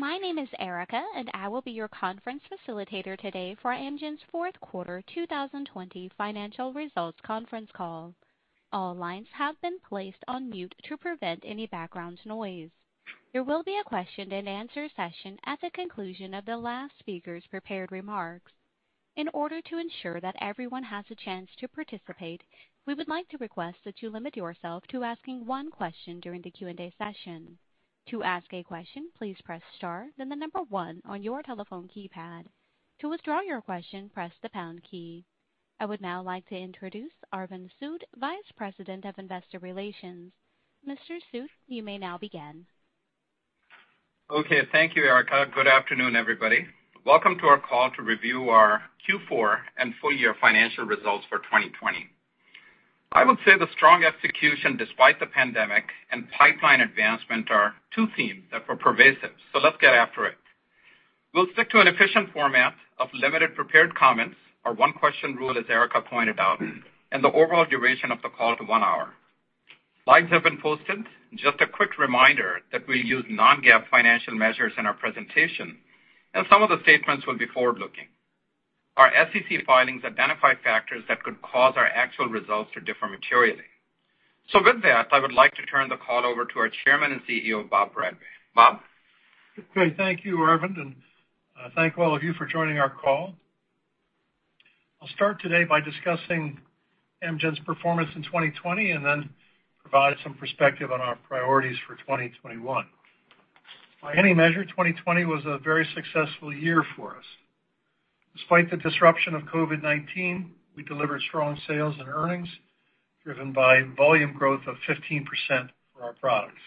My name is Erica, and I will be your conference facilitator today for Amgen's Fourth Quarter 2020 Financial Results Conference Call. All lines have been placed on mute to prevent any background noise. There will be a question and answer session at the conclusion of the last speaker's prepared remarks. In order to ensure that everyone has a chance to participate, we would like to request that you limit yourself to asking one question during the Q&A session. To ask a question, please press star, then the number one on your telephone keypad. To withdraw your question, press the pound key. I would now like to introduce Arvind Sood, Vice President, Investor Relations. Mr. Sood, you may now begin. Okay. Thank you, Erica. Good afternoon, everybody. Welcome to our call to review our Q4 and full year financial results for 2020. I would say the strong execution despite the pandemic and pipeline advancement are two themes that were pervasive. Let's get after it. We'll stick to an efficient format of limited prepared comments, our one-question rule, as Erica pointed out, and the overall duration of the call to one hour. Slides have been posted. Just a quick reminder that we use non-GAAP financial measures in our presentation, and some of the statements will be forward-looking. Our SEC filings identify factors that could cause our actual results to differ materially. With that, I would like to turn the call over to our Chairman and CEO, Bob Bradway. Bob? Great. Thank you, Arvind, thank all of you for joining our call. I'll start today by discussing Amgen's performance in 2020, then provide some perspective on our priorities for 2021. By any measure, 2020 was a very successful year for us. Despite the disruption of COVID-19, we delivered strong sales and earnings driven by volume growth of 15% for our products.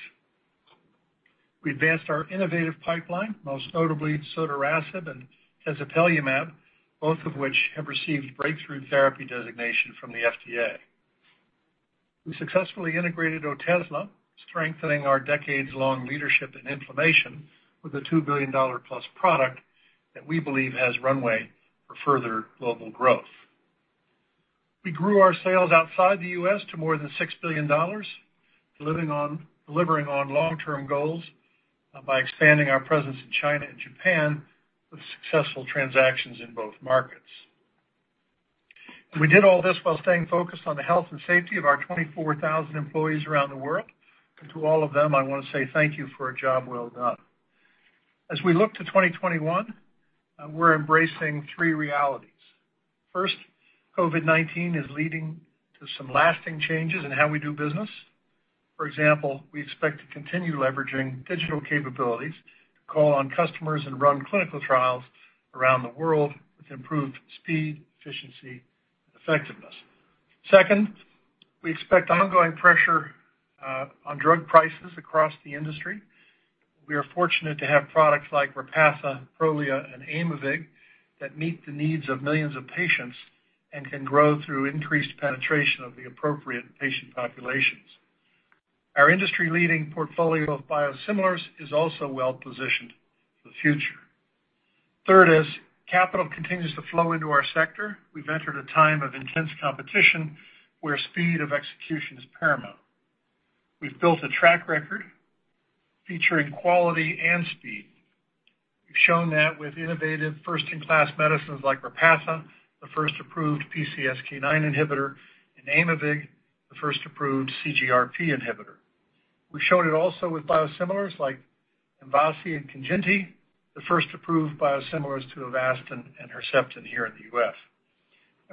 We advanced our innovative pipeline, most notably sotarasib and tezepelumab, both of which have received Breakthrough Therapy designation from the FDA. We successfully integrated Otezla, strengthening our decades-long leadership in inflammation with a $2 billion-plus product that we believe has runway for further global growth. We grew our sales outside the U.S. to more than $6 billion, delivering on long-term goals by expanding our presence in China and Japan with successful transactions in both markets. We did all this while staying focused on the health and safety of our 24,000 employees around the world. To all of them, I want to say thank you for a job well done. As we look to 2021, we're embracing three realities. First, COVID-19 is leading to some lasting changes in how we do business. For example, we expect to continue leveraging digital capabilities to call on customers and run clinical trials around the world with improved speed, efficiency, and effectiveness. Second, we expect ongoing pressure on drug prices across the industry. We are fortunate to have products like Repatha, Prolia, and Aimovig that meet the needs of millions of patients and can grow through increased penetration of the appropriate patient populations. Our industry-leading portfolio of biosimilars is also well-positioned for the future. Third is capital continues to flow into our sector. We've entered a time of intense competition where speed of execution is paramount. We've built a track record featuring quality and speed. We've shown that with innovative first-in-class medicines like Repatha, the first approved PCSK9 inhibitor, and Aimovig, the first approved CGRP inhibitor. We've shown it also with biosimilars like MVASI and KANJINTI, the first approved biosimilars to Avastin and Herceptin here in the U.S..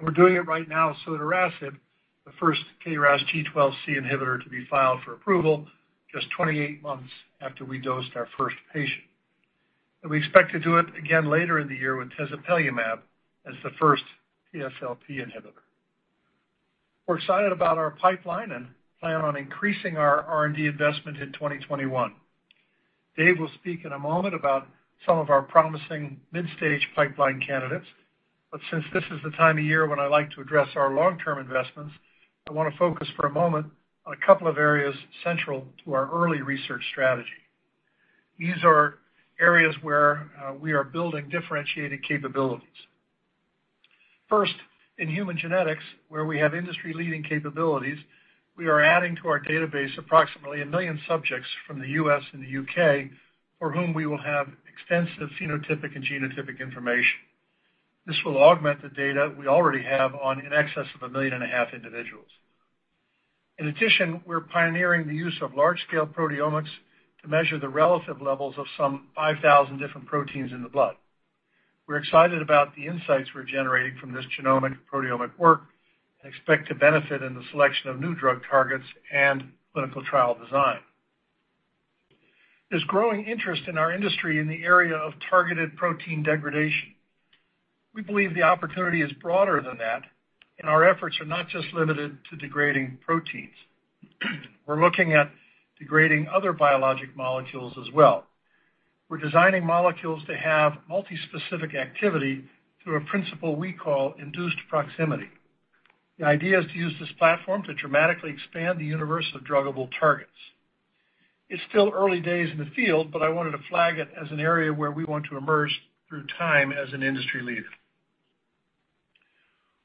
We're doing it right now with sotorasib, the first KRAS G12C inhibitor to be filed for approval just 28 months after we dosed our first patient. We expect to do it again later in the year with tezepelumab as the first TSLP inhibitor. We're excited about our pipeline and plan on increasing our R&D investment in 2021. Dave will speak in a moment about some of our promising mid-stage pipeline candidates. Since this is the time of year when I like to address our long-term investments, I want to focus for a moment on a couple of areas central to our early research strategy. These are areas where we are building differentiated capabilities. First, in human genetics, where we have industry-leading capabilities, we are adding to our database approximately 1 million subjects from the U.S. and the U.K. for whom we will have extensive phenotypic and genotypic information. This will augment the data we already have on in excess of 1.5 million individuals. In addition, we're pioneering the use of large-scale proteomics to measure the relative levels of some 5,000 different proteins in the blood. We're excited about the insights we're generating from this genomic proteomic work and expect to benefit in the selection of new drug targets and clinical trial design. There's growing interest in our industry in the area of targeted protein degradation. We believe the opportunity is broader than that. Our efforts are not just limited to degrading proteins. We're looking at degrading other biologic molecules as well. We're designing molecules to have multi-specific activity through a principle we call induced proximity. The idea is to use this platform to dramatically expand the universe of druggable targets. It's still early days in the field. I wanted to flag it as an area where we want to emerge through time as an industry leader.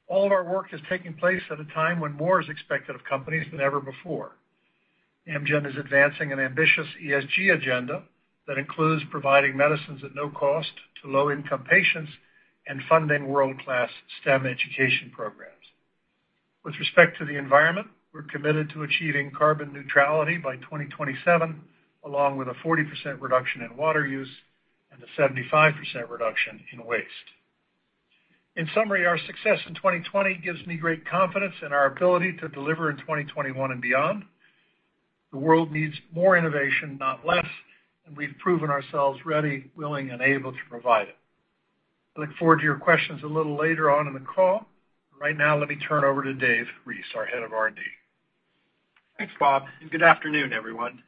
All of our work is taking place at a time when more is expected of companies than ever before. Amgen is advancing an ambitious ESG agenda that includes providing medicines at no cost to low-income patients and funding world-class STEM education programs. With respect to the environment, we're committed to achieving carbon neutrality by 2027, along with a 40% reduction in water use and a 75% reduction in waste. In summary, our success in 2020 gives me great confidence in our ability to deliver in 2021 and beyond. The world needs more innovation, not less, and we've proven ourselves ready, willing, and able to provide it. I look forward to your questions a little later on in the call. Right now, let me turn over to Dave Reese, our Head of R&D. Thanks, Bob, and good afternoon, everyone.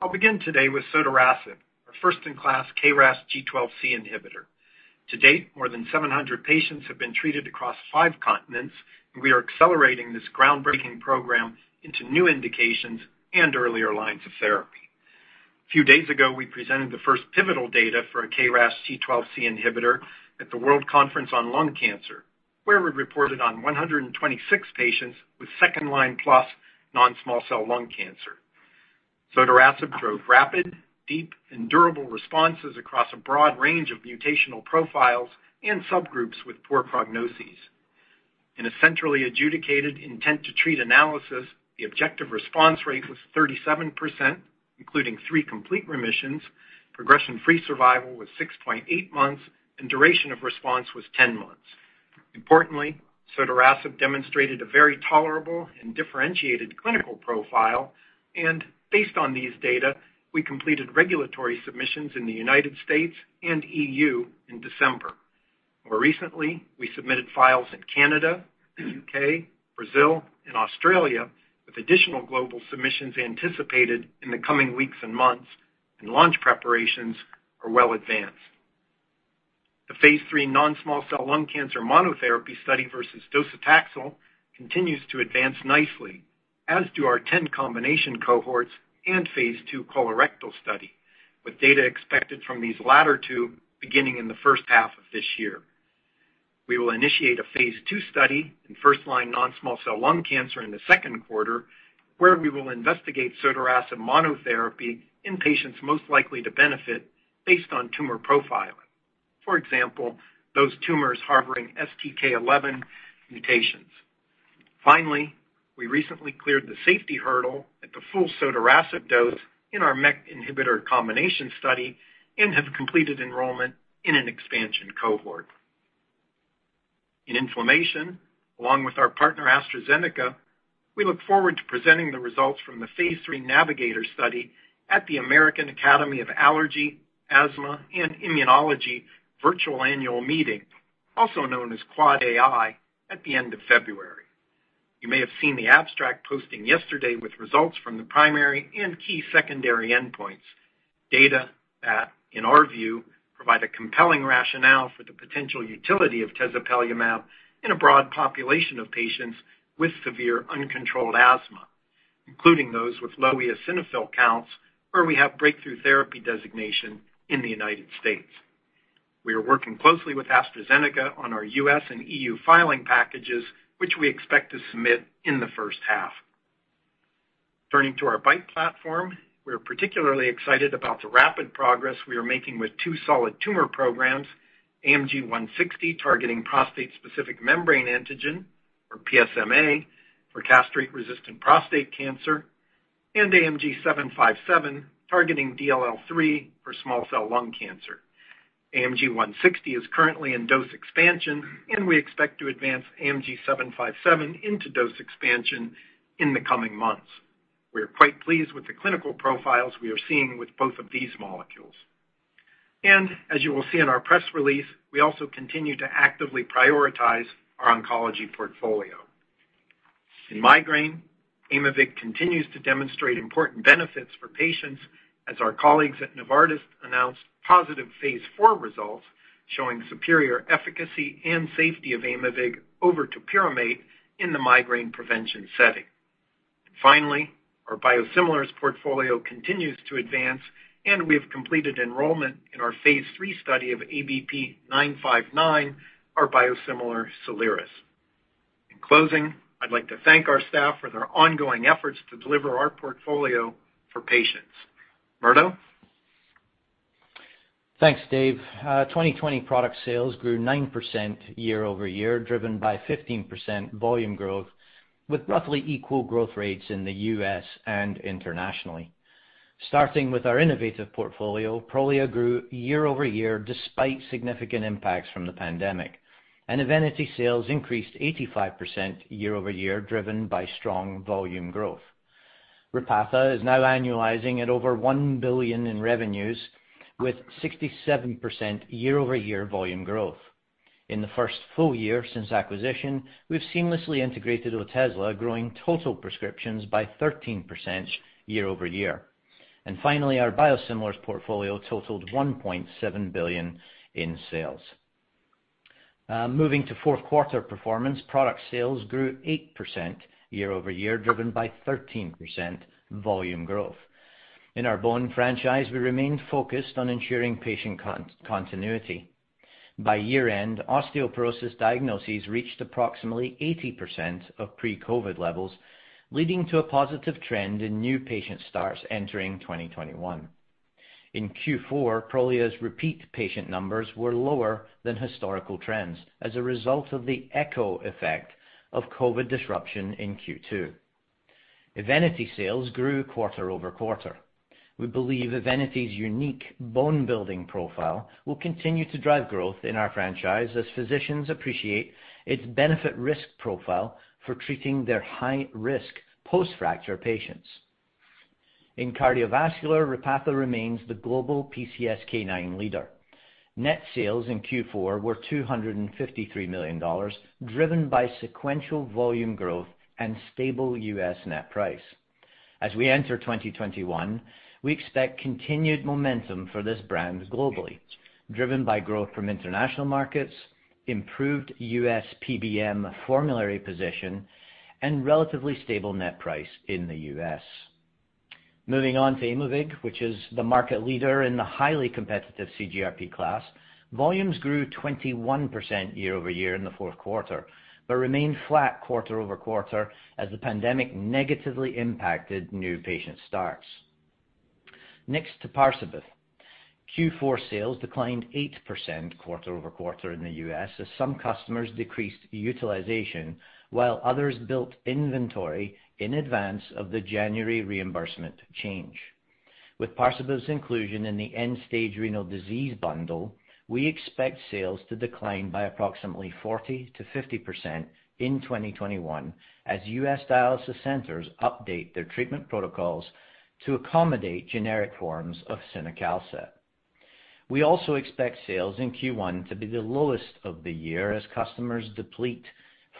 I'll begin today with sotorasib, our first-in-class KRAS G12C inhibitor. To date, more than 700 patients have been treated across five continents, and we are accelerating this groundbreaking program into new indications and earlier lines of therapy. A few days ago, we presented the first pivotal data for a KRAS G12C inhibitor at the World Conference on Lung Cancer, where we reported on 126 patients with second-line plus non-small cell lung cancer. Sotorasib drove rapid, deep, and durable responses across a broad range of mutational profiles and subgroups with poor prognoses. In a centrally adjudicated intent to treat analysis, the objective response rate was 37%, including three complete remissions, progression-free survival was 6.8 months, and duration of response was 10 months. Importantly, sotorasib demonstrated a very tolerable and differentiated clinical profile and based on these data, we completed regulatory submissions in the United States and EU in December. More recently, we submitted files in Canada, U.K., Brazil, and Australia, with additional global submissions anticipated in the coming weeks and months, and launch preparations are well advanced. The phase III non-small cell lung cancer monotherapy study versus docetaxel continues to advance nicely, as do our 10 combination cohorts and phase II colorectal study, with data expected from these latter two beginning in the first half this year. We will initiate a phase II study in first-line non-small cell lung cancer in the second quarter, where we will investigate sotorasib monotherapy in patients most likely to benefit based on tumor profiling. For example, those tumors harboring STK11 mutations. We recently cleared the safety hurdle at the full sotorasib dose in our MEK inhibitor combination study and have completed enrollment in an expansion cohort. In inflammation, along with our partner AstraZeneca, we look forward to presenting the results from the phase III NAVIGATOR study at the American Academy of Allergy, Asthma & Immunology virtual annual meeting, also known as AAAAI, at the end of February. You may have seen the abstract posting yesterday with results from the primary and key secondary endpoints, data that, in our view, provide a compelling rationale for the potential utility of tezepelumab in a broad population of patients with severe uncontrolled asthma, including those with low eosinophil counts, where we have Breakthrough Therapy designation in the United States. We are working closely with AstraZeneca on our U.S. and EU filing packages, which we expect to submit in the first half. Turning to our BiTE platform, we are particularly excited about the rapid progress we are making with two solid tumor programs, AMG 160, targeting prostate-specific membrane antigen, or PSMA, for castrate-resistant prostate cancer, and AMG 757, targeting DLL3 for small cell lung cancer. AMG 160 is currently in dose expansion, we expect to advance AMG 757 into dose expansion in the coming months. We are quite pleased with the clinical profiles we are seeing with both of these molecules. As you will see in our press release, we also continue to actively prioritize our oncology portfolio. In migraine, Aimovig continues to demonstrate important benefits for patients as our colleagues at Novartis announced positive phase IV results showing superior efficacy and safety of Aimovig over topiramate in the migraine prevention setting. Finally, our biosimilars portfolio continues to advance. We have completed enrollment in our phase III study of ABP 959, our biosimilar SOLIRIS. In closing, I'd like to thank our staff for their ongoing efforts to deliver our portfolio for patients. Murdo? Thanks, Dave. A 2020 product sales grew 9% year-over-year, driven by 15% volume growth, with roughly equal growth rates in the U.S. and internationally. Starting with our innovative portfolio, Prolia grew year-over-year despite significant impacts from the pandemic. EVENITY sales increased 85% year-over-year, driven by strong volume growth. Repatha is now annualizing at over $1 billion in revenues with 67% year-over-year volume growth. In the first full year since acquisition, we've seamlessly integrated Otezla, growing total prescriptions by 13% year-over-year. Finally, our biosimilars portfolio totaled $1.7 billion in sales. Moving to fourth quarter performance, product sales grew 8% year-over-year, driven by 13% volume growth. In our bone franchise, we remained focused on ensuring patient continuity. By year-end, osteoporosis diagnoses reached approximately 80% of pre-COVID levels, leading to a positive trend in new patient starts entering 2021. In Q4, Prolia's repeat patient numbers were lower than historical trends as a result of the echo effect of COVID disruption in Q2. EVENITY sales grew quarter-over-quarter. We believe EVENITY's unique bone-building profile will continue to drive growth in our franchise as physicians appreciate its benefit risk profile for treating their high-risk post-fracture patients. In cardiovascular, Repatha remains the global PCSK9 leader. Net sales in Q4 were $253 million, driven by sequential volume growth and stable U.S. net price. As we enter 2021, we expect continued momentum for this brand globally, driven by growth from international markets, improved U.S. PBM formulary position, and relatively stable net price in the U.S.. Moving on to Aimovig, which is the market leader in the highly competitive CGRP class, volumes grew 21% year-over-year in the fourth quarter, remained flat quarter-over-quarter as the pandemic negatively impacted new patient starts. Next to Parsabiv. Q4 sales declined 8% quarter-over-quarter in the U.S. as some customers decreased utilization, while others built inventory in advance of the January reimbursement change. With Parsabiv's inclusion in the end-stage renal disease bundle, we expect sales to decline by approximately 40%-50% in 2021, as U.S. dialysis centers update their treatment protocols to accommodate generic forms of cinacalcet. We also expect sales in Q1 to be the lowest of the year as customers deplete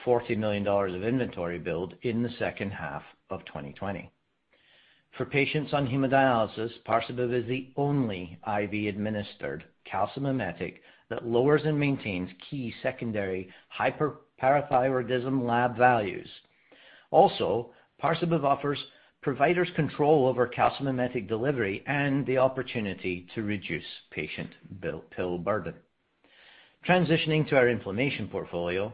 $40 million of inventory build in the second half of 2020. For patients on hemodialysis, Parsabiv is the only IV-administered calcimimetic that lowers and maintains key secondary hyperparathyroidism lab values. Parsabiv offers providers control over calcimimetic delivery and the opportunity to reduce patient pill burden. Transitioning to our inflammation portfolio,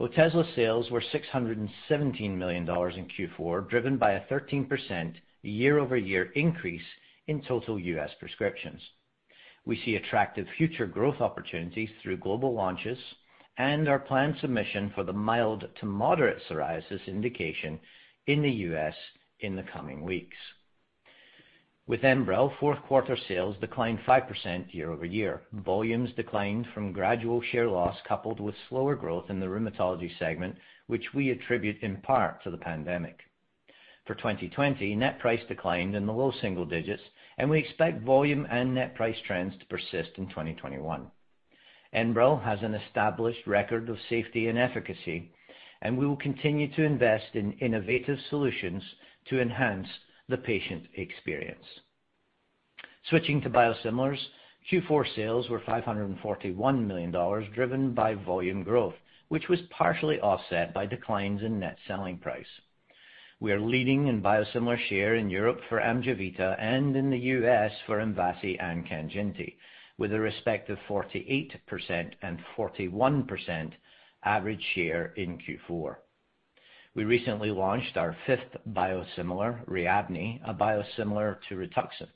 Otezla sales were $617 million in Q4, driven by a 13% year-over-year increase in total U.S. prescriptions. We see attractive future growth opportunities through global launches and our planned submission for the mild to moderate psoriasis indication in the U.S. in the coming weeks. With ENBREL, fourth quarter sales declined 5% year-over-year. Volumes declined from gradual share loss coupled with slower growth in the rheumatology segment, which we attribute in part to the pandemic. For 2020, net price declined in the low single digits, and we expect volume and net price trends to persist in 2021. ENBREL has an established record of safety and efficacy, and we will continue to invest in innovative solutions to enhance the patient experience. Switching to biosimilars, Q4 sales were $541 million, driven by volume growth, which was partially offset by declines in net selling price. We are leading in biosimilar share in Europe for AMGEVITA and in the U.S. for AMJEVITA and KANJINTI, with a respective 48% and 41% average share in Q4. We recently launched our fifth biosimilar, RIABNI, a biosimilar to Rituxan.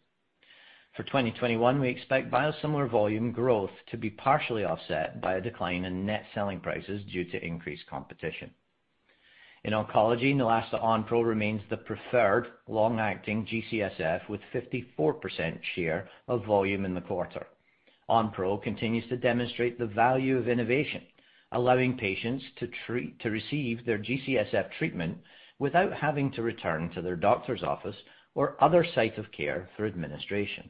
For 2021, we expect biosimilar volume growth to be partially offset by a decline in net selling prices due to increased competition. In oncology, Neulasta Onpro remains the preferred long-acting G-CSF with 54% share of volume in the quarter. Onpro continues to demonstrate the value of innovation, allowing patients to receive their G-CSF treatment without having to return to their doctor's office or other site of care for administration.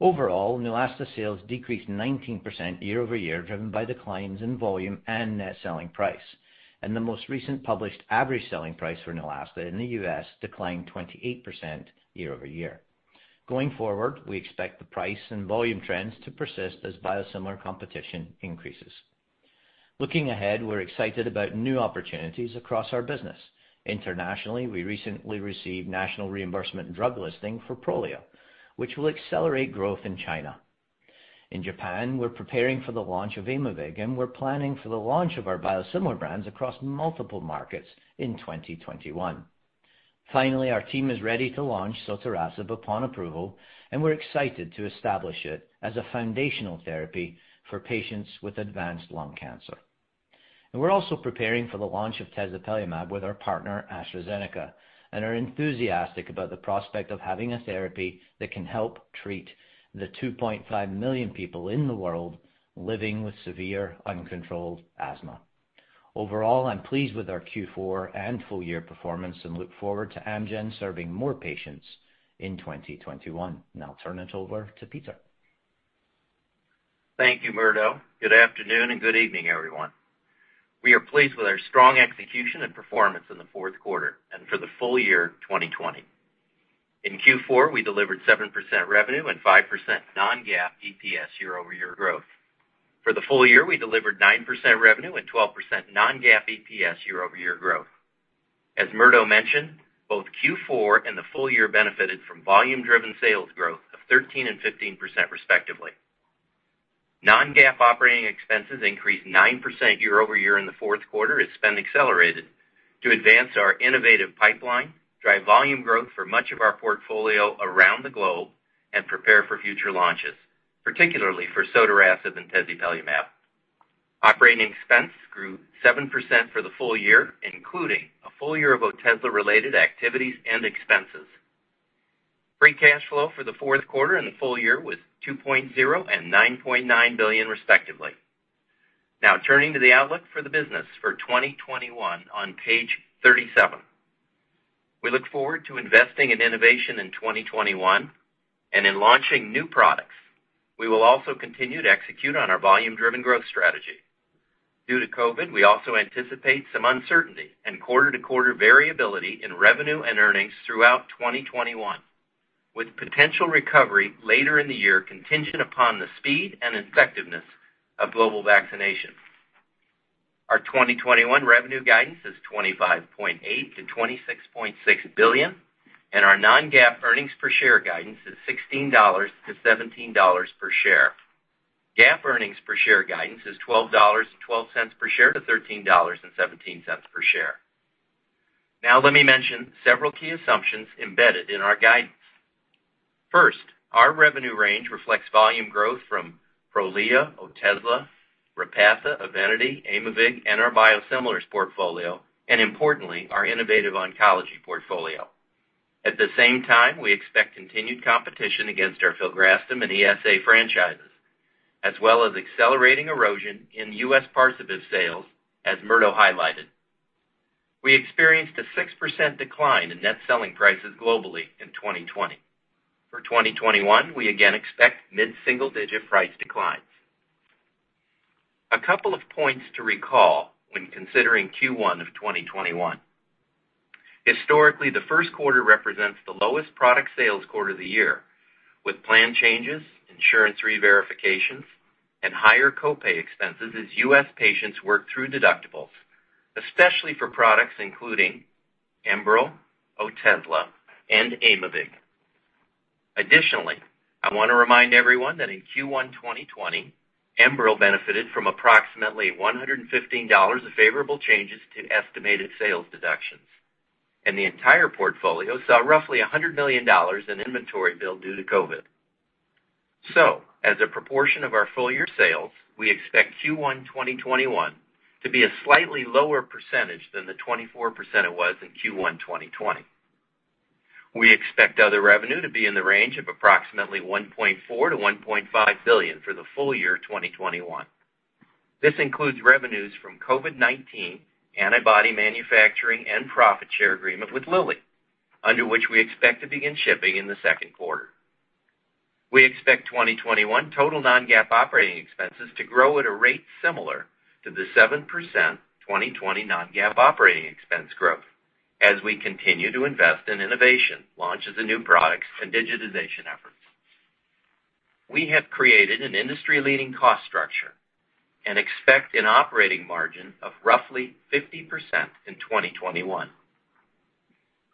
Overall, Neulasta sales decreased 19% year-over-year, driven by declines in volume and net selling price, and the most recent published average selling price for Neulasta in the U.S. declined 28% year-over-year. Going forward, we expect the price and volume trends to persist as biosimilar competition increases. Looking ahead, we're excited about new opportunities across our business. Internationally, we recently received national reimbursement drug listing for Prolia, which will accelerate growth in China. In Japan, we're preparing for the launch of Aimovig, and we're planning for the launch of our biosimilar brands across multiple markets in 2021. Finally, our team is ready to launch sotorasib upon approval, and we're excited to establish it as a foundational therapy for patients with advanced lung cancer. We're also preparing for the launch of tezepelumab with our partner, AstraZeneca, and are enthusiastic about the prospect of having a therapy that can help treat the 2.5 million people in the world living with severe, uncontrolled asthma. Overall, I'm pleased with our Q4 and full year performance and look forward to Amgen serving more patients in 2021. Now I'll turn it over to Peter. Thank you, Murdo. Good afternoon and good evening, everyone. We are pleased with our strong execution and performance in the fourth quarter and for the full year 2020. In Q4, we delivered 7% revenue and 5% non-GAAP EPS year-over-year growth. For the full year, we delivered 9% revenue and 12% non-GAAP EPS year-over-year growth. As Murdo mentioned, both Q4 and the full year benefited from volume-driven sales growth of 13% and 15%, respectively. Non-GAAP operating expenses increased 9% year-over-year in the fourth quarter as spend accelerated to advance our innovative pipeline, drive volume growth for much of our portfolio around the globe, and prepare for future launches, particularly for sotorasib and tezepelumab. Operating expense grew 7% for the full year, including a full year of Otezla-related activities and expenses. Free cash flow for the fourth quarter and the full year was $2.0 billion and $9.9 billion, respectively. Now, turning to the outlook for the business for 2021 on page 37. We look forward to investing in innovation in 2021 and in launching new products. We will also continue to execute on our volume-driven growth strategy. Due to COVID, we also anticipate some uncertainty and quarter-to-quarter variability in revenue and earnings throughout 2021, with potential recovery later in the year contingent upon the speed and effectiveness of global vaccination. Our 2021 revenue guidance is $25.8 billion-$26.6 billion, and our non-GAAP earnings per share guidance is $16-$17 per share. GAAP earnings per share guidance is $12.12 per share to $13.17 per share. Let me mention several key assumptions embedded in our guidance. First, our revenue range reflects volume growth from Prolia, Otezla, Repatha, EVENITY, Aimovig, and our biosimilars portfolio, and importantly, our innovative oncology portfolio. At the same time, we expect continued competition against our filgrastim and ESA franchises, as well as accelerating erosion in U.S. Parsabiv sales, as Murdo highlighted. We experienced a 6% decline in net selling prices globally in 2020. For 2021, we again expect mid-single-digit price declines. A couple of points to recall when considering Q1 of 2021. Historically, the first quarter represents the lowest product sales quarter of the year, with plan changes, insurance reverifications, and higher co-pay expenses as U.S. patients work through deductibles, especially for products including ENBREL, Otezla, and Aimovig. Additionally, I want to remind everyone that in Q1 2020, ENBREL benefited from approximately $115 million of favorable changes to estimated sales deductions, and the entire portfolio saw roughly $100 million in inventory build due to COVID. As a proportion of our full-year sales, we expect Q1 2021 to be a slightly lower percentage than the 24% it was in Q1 2020. We expect other revenue to be in the range of approximately $1.4 billion-$1.5 billion for the full year 2021. This includes revenues from COVID-19 antibody manufacturing and profit share agreement with Lilly, under which we expect to begin shipping in the second quarter. We expect 2021 total non-GAAP operating expenses to grow at a rate similar to the 7% 2020 non-GAAP operating expense growth as we continue to invest in innovation, launches of new products, and digitization efforts. We have created an industry-leading cost structure and expect an operating margin of roughly 50% in 2021.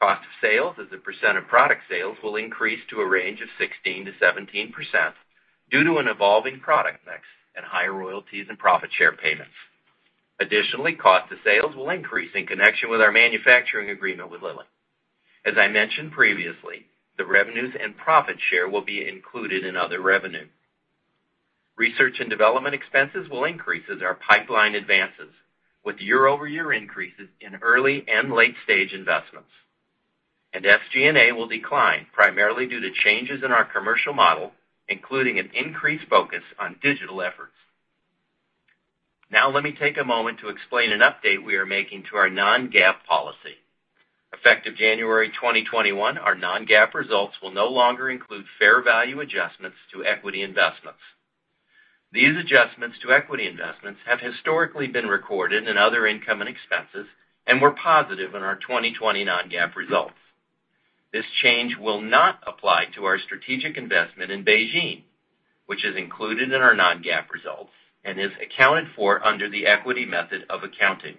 Cost of sales as a percent of product sales will increase to a range of 16%-17% due to an evolving product mix and higher royalties and profit share payments. Additionally, cost of sales will increase in connection with our manufacturing agreement with Lilly. As I mentioned previously, the revenues and profit share will be included in other revenue. Research and development expenses will increase as our pipeline advances with year-over-year increases in early and late-stage investments. SG&A will decline primarily due to changes in our commercial model, including an increased focus on digital efforts. Now, let me take a moment to explain an update we are making to our non-GAAP policy. Effective January 2021, our non-GAAP results will no longer include fair value adjustments to equity investments. These adjustments to equity investments have historically been recorded in other income and expenses and were positive in our 2020 non-GAAP results. This change will not apply to our strategic investment in BeiGene, which is included in our non-GAAP results and is accounted for under the equity method of accounting.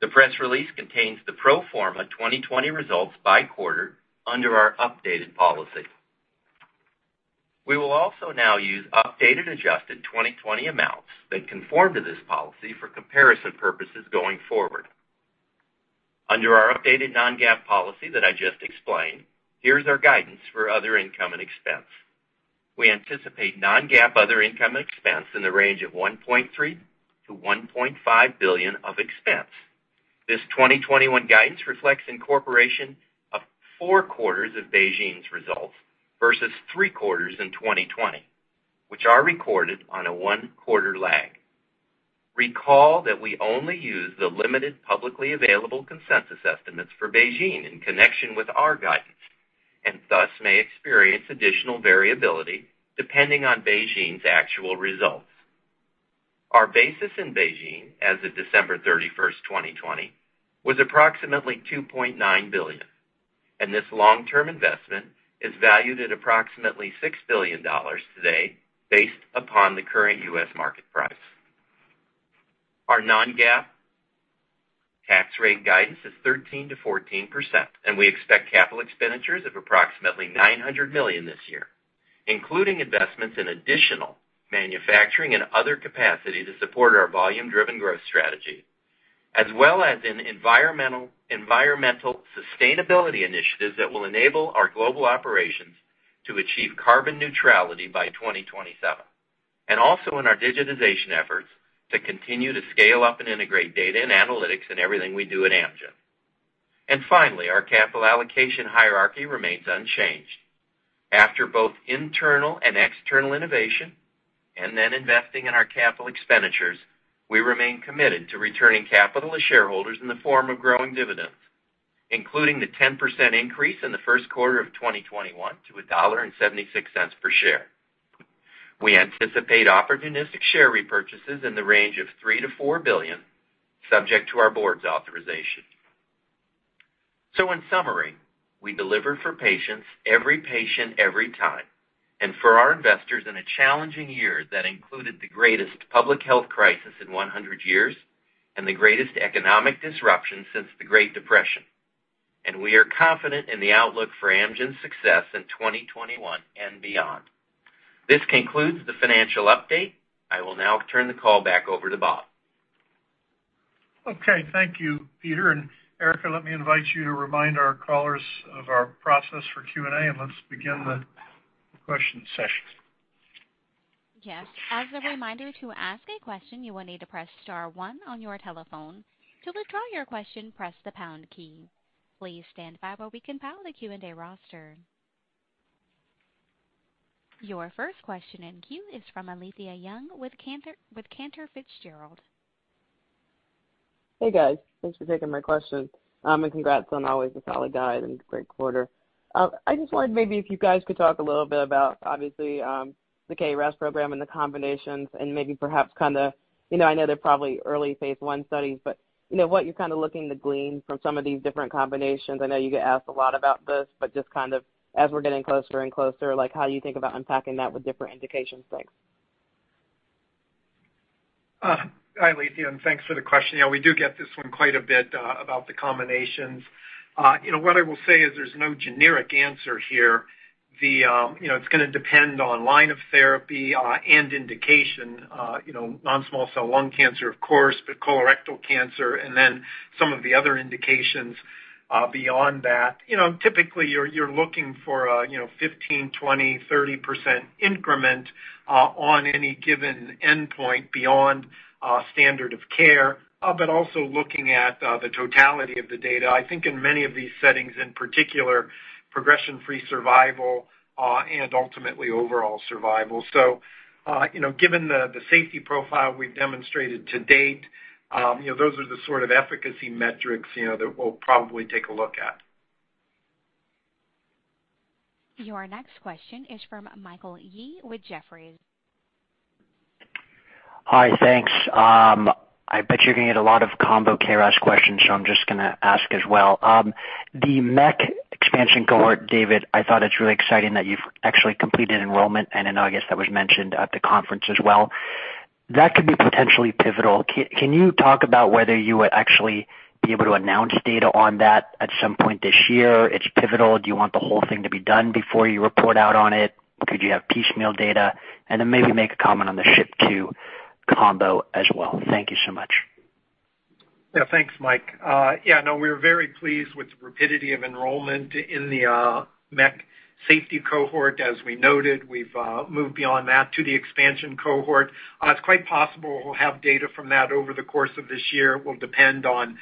The press release contains the pro forma 2020 results by quarter under our updated policy. We will also now use updated adjusted 2020 amounts that conform to this policy for comparison purposes going forward. Under our updated non-GAAP policy that I just explained, here's our guidance for other income and expense. We anticipate non-GAAP other income expense in the range of $1.3 billion-$1.5 billion of expense. This 2021 guidance reflects incorporation of four quarters of BeiGene's results versus three quarters in 2020, which are recorded on a one-quarter lag. Recall that we only use the limited publicly available consensus estimates for BeiGene in connection with our guidance and thus may experience additional variability depending on BeiGene's actual results. Our basis in BeiGene as of December 31st, 2020, was approximately $2.9 billion. This long-term investment is valued at approximately $6 billion today, based upon the current U.S. market price. Our non-GAAP tax rate guidance is 13%-14%, and we expect capital expenditures of approximately $900 million this year, including investments in additional manufacturing and other capacity to support our volume-driven growth strategy, as well as in environmental sustainability initiatives that will enable our global operations to achieve carbon neutrality by 2027. And also in our digitization efforts to continue to scale up and integrate data and analytics in everything we do at Amgen. Finally, our capital allocation hierarchy remains unchanged. After both internal and external innovation, and then investing in our capital expenditures, we remain committed to returning capital to shareholders in the form of growing dividends, including the 10% increase in the first quarter of 2021 to $1.76 per share. We anticipate opportunistic share repurchases in the range of $3 billion-$4 billion, subject to our board's authorization. In summary, we deliver for patients, every patient, every time, and for our investors in a challenging year that included the greatest public health crisis in 100 years and the greatest economic disruption since the Great Depression. We are confident in the outlook for Amgen's success in 2021 and beyond. This concludes the financial update. I will now turn the call back over to Bob. Okay, thank you, Peter. Erica, let me invite you to remind our callers of our process for Q&A, and let's begin the question session. Yes. As a reminder, to ask a question, you will need to press star one on your telephone. To withdraw your question, press the pound key. Please stand by while we compile the Q&A roster. Your first question in queue is from Alethia Young with Cantor Fitzgerald. Hey, guys. Thanks for taking my question. Congrats on always a solid guide and a great quarter. I just wondered maybe if you guys could talk a little bit about, obviously, the KRAS program and the combinations and maybe perhaps kind of, I know they're probably early phase I studies, but what you're kind of looking to glean from some of these different combinations. I know you get asked a lot about this, just as we're getting closer and closer, how you think about unpacking that with different indication sets? Hi, Alethia. Thanks for the question. We do get this one quite a bit, about the combinations. What I will say is there's no generic answer here. It's going to depend on line of therapy and indication, you know, non-small cell lung cancer, of course, but colorectal cancer, and then some of the other indications beyond that. Typically, you're looking for a 15%, 20%, 30% increment on any given endpoint beyond standard of care, but also looking at the totality of the data. I think in many of these settings, in particular, progression-free survival and ultimately overall survival. You know, given the safety profile we've demonstrated to date, those are the sort of efficacy metrics, you know, that we'll probably take a look at. Your next question is from Michael Yee with Jefferies. Hi, thanks. I bet you're going to get a lot of combo KRAS questions, so I'm just going to ask as well. The MEK expansion cohort, David, I thought it's really exciting that you've actually completed enrollment and in August that was mentioned at the conference as well. That could be potentially pivotal. Can you talk about whether you would actually be able to announce data on that at some point this year? It's pivotal. Do you want the whole thing to be done before you report out on it? Could you have piecemeal data? Then maybe make a comment on the SHP2 combo as well. Thank you so much. Thanks, Mike. Yeah, no, we're very pleased with the rapidity of enrollment in the MEK safety cohort. As we noted, we've moved beyond that to the expansion cohort. It's quite possible we'll have data from that over the course of this year. It will depend on,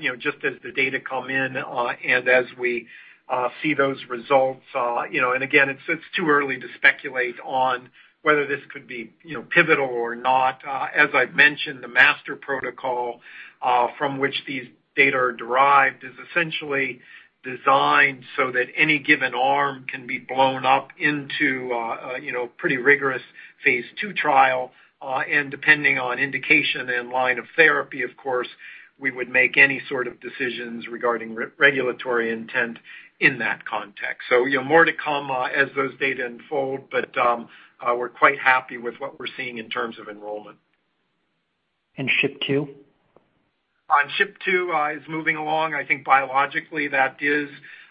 you know, just as the data come in and as we see those results. Again, it's too early to speculate on whether this could be, you know, pivotal or not. As I've mentioned, the master protocol from which these data are derived is essentially designed so that any given arm can be blown up into a, you know, pretty rigorous phase II trial. Depending on indication and line of therapy, of course, we would make any sort of decisions regarding regulatory intent in that context. More to come as those data unfold, but we're quite happy with what we're seeing in terms of enrollment. SHP2? SHP2 is moving along. I think biologically that is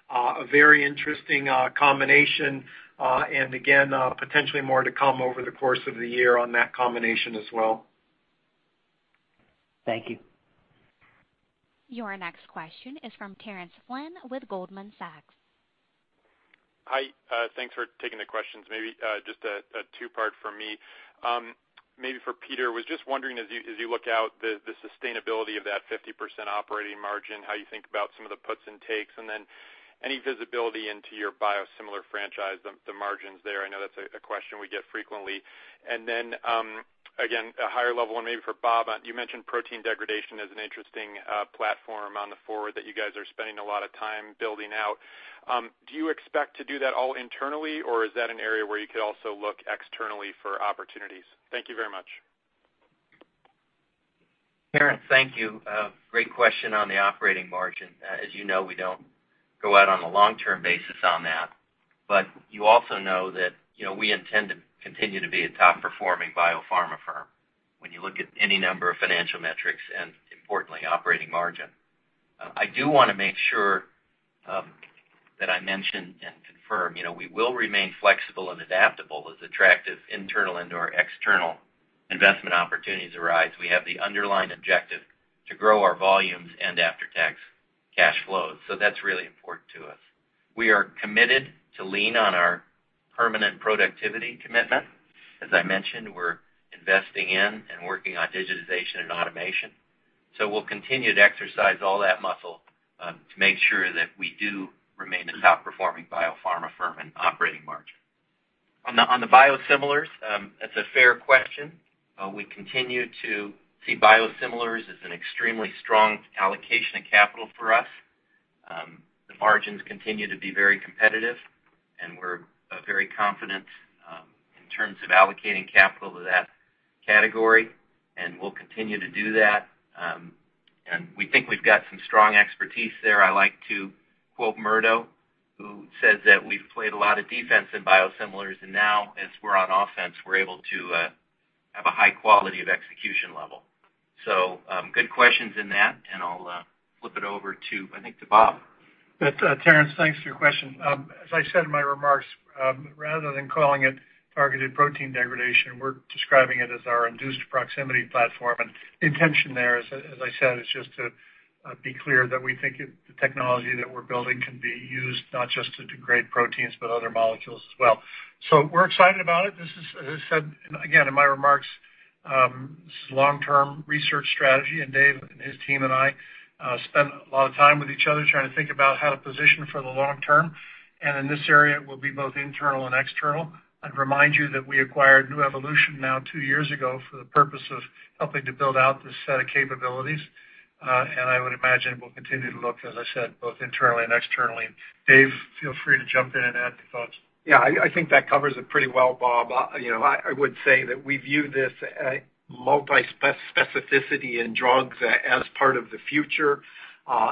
a very interesting combination. Again, potentially more to come over the course of the year on that combination as well. Thank you. Your next question is from Terence Flynn with Goldman Sachs. Hi. Thanks for taking the questions. Maybe just a two-part from me. Maybe for Peter, was just wondering as you look out the sustainability of that 50% operating margin, how you think about some of the puts and takes, and then any visibility into your biosimilar franchise, the margins there? I know that's a question we get frequently. Again, a higher level one maybe for Bob. You mentioned protein degradation as an interesting platform on the forward that you guys are spending a lot of time building out. Do you expect to do that all internally, or is that an area where you could also look externally for opportunities? Thank you very much. Terence, thank you. Great question on the operating margin. As you know, we don't go out on a long-term basis on that, but you also know that we intend to continue to be a top-performing biopharma firm when you look at any number of financial metrics and importantly, operating margin. I do want to make sure that I mention and confirm we will remain flexible and adaptable as attractive internal and or external investment opportunities arise. We have the underlying objective to grow our volumes and after-tax cash flows. That's really important to us. We are committed to lean on our permanent productivity commitment. As I mentioned, we're investing in and working on digitization and automation. We'll continue to exercise all that muscle to make sure that we do remain a top-performing biopharma firm in operating margin. On the biosimilars, that's a fair question. We continue to see biosimilars as an extremely strong allocation of capital for us. The margins continue to be very competitive, and we're very confident in terms of allocating capital to that category, and we'll continue to do that. We think we've got some strong expertise there. I like to quote Murdo, who says that we've played a lot of defense in biosimilars, and now as we're on offense, we're able to have a high quality of execution level. Good questions in that, and I'll flip it over to, I think, to Bob. Terence, thanks for your question. As I said in my remarks, rather than calling it targeted protein degradation, we're describing it as our induced proximity platform. The intention there is, as I said, is just to be clear that we think the technology that we're building can be used not just to degrade proteins, but other molecules as well. We're excited about it. This is, as I said again in my remarks, this is long-term research strategy, and Dave and his team and I spend a lot of time with each other trying to think about how to position for the long term. In this area, it will be both internal and external. I'd remind you that we acquired Nuevolution now two years ago for the purpose of helping to build out this set of capabilities. I would imagine we'll continue to look, as I said, both internally and externally. Dave, feel free to jump in and add any thoughts. Yeah, I think that covers it pretty well, Bob. I would say that we view this multi-specificity in drugs as part of the future.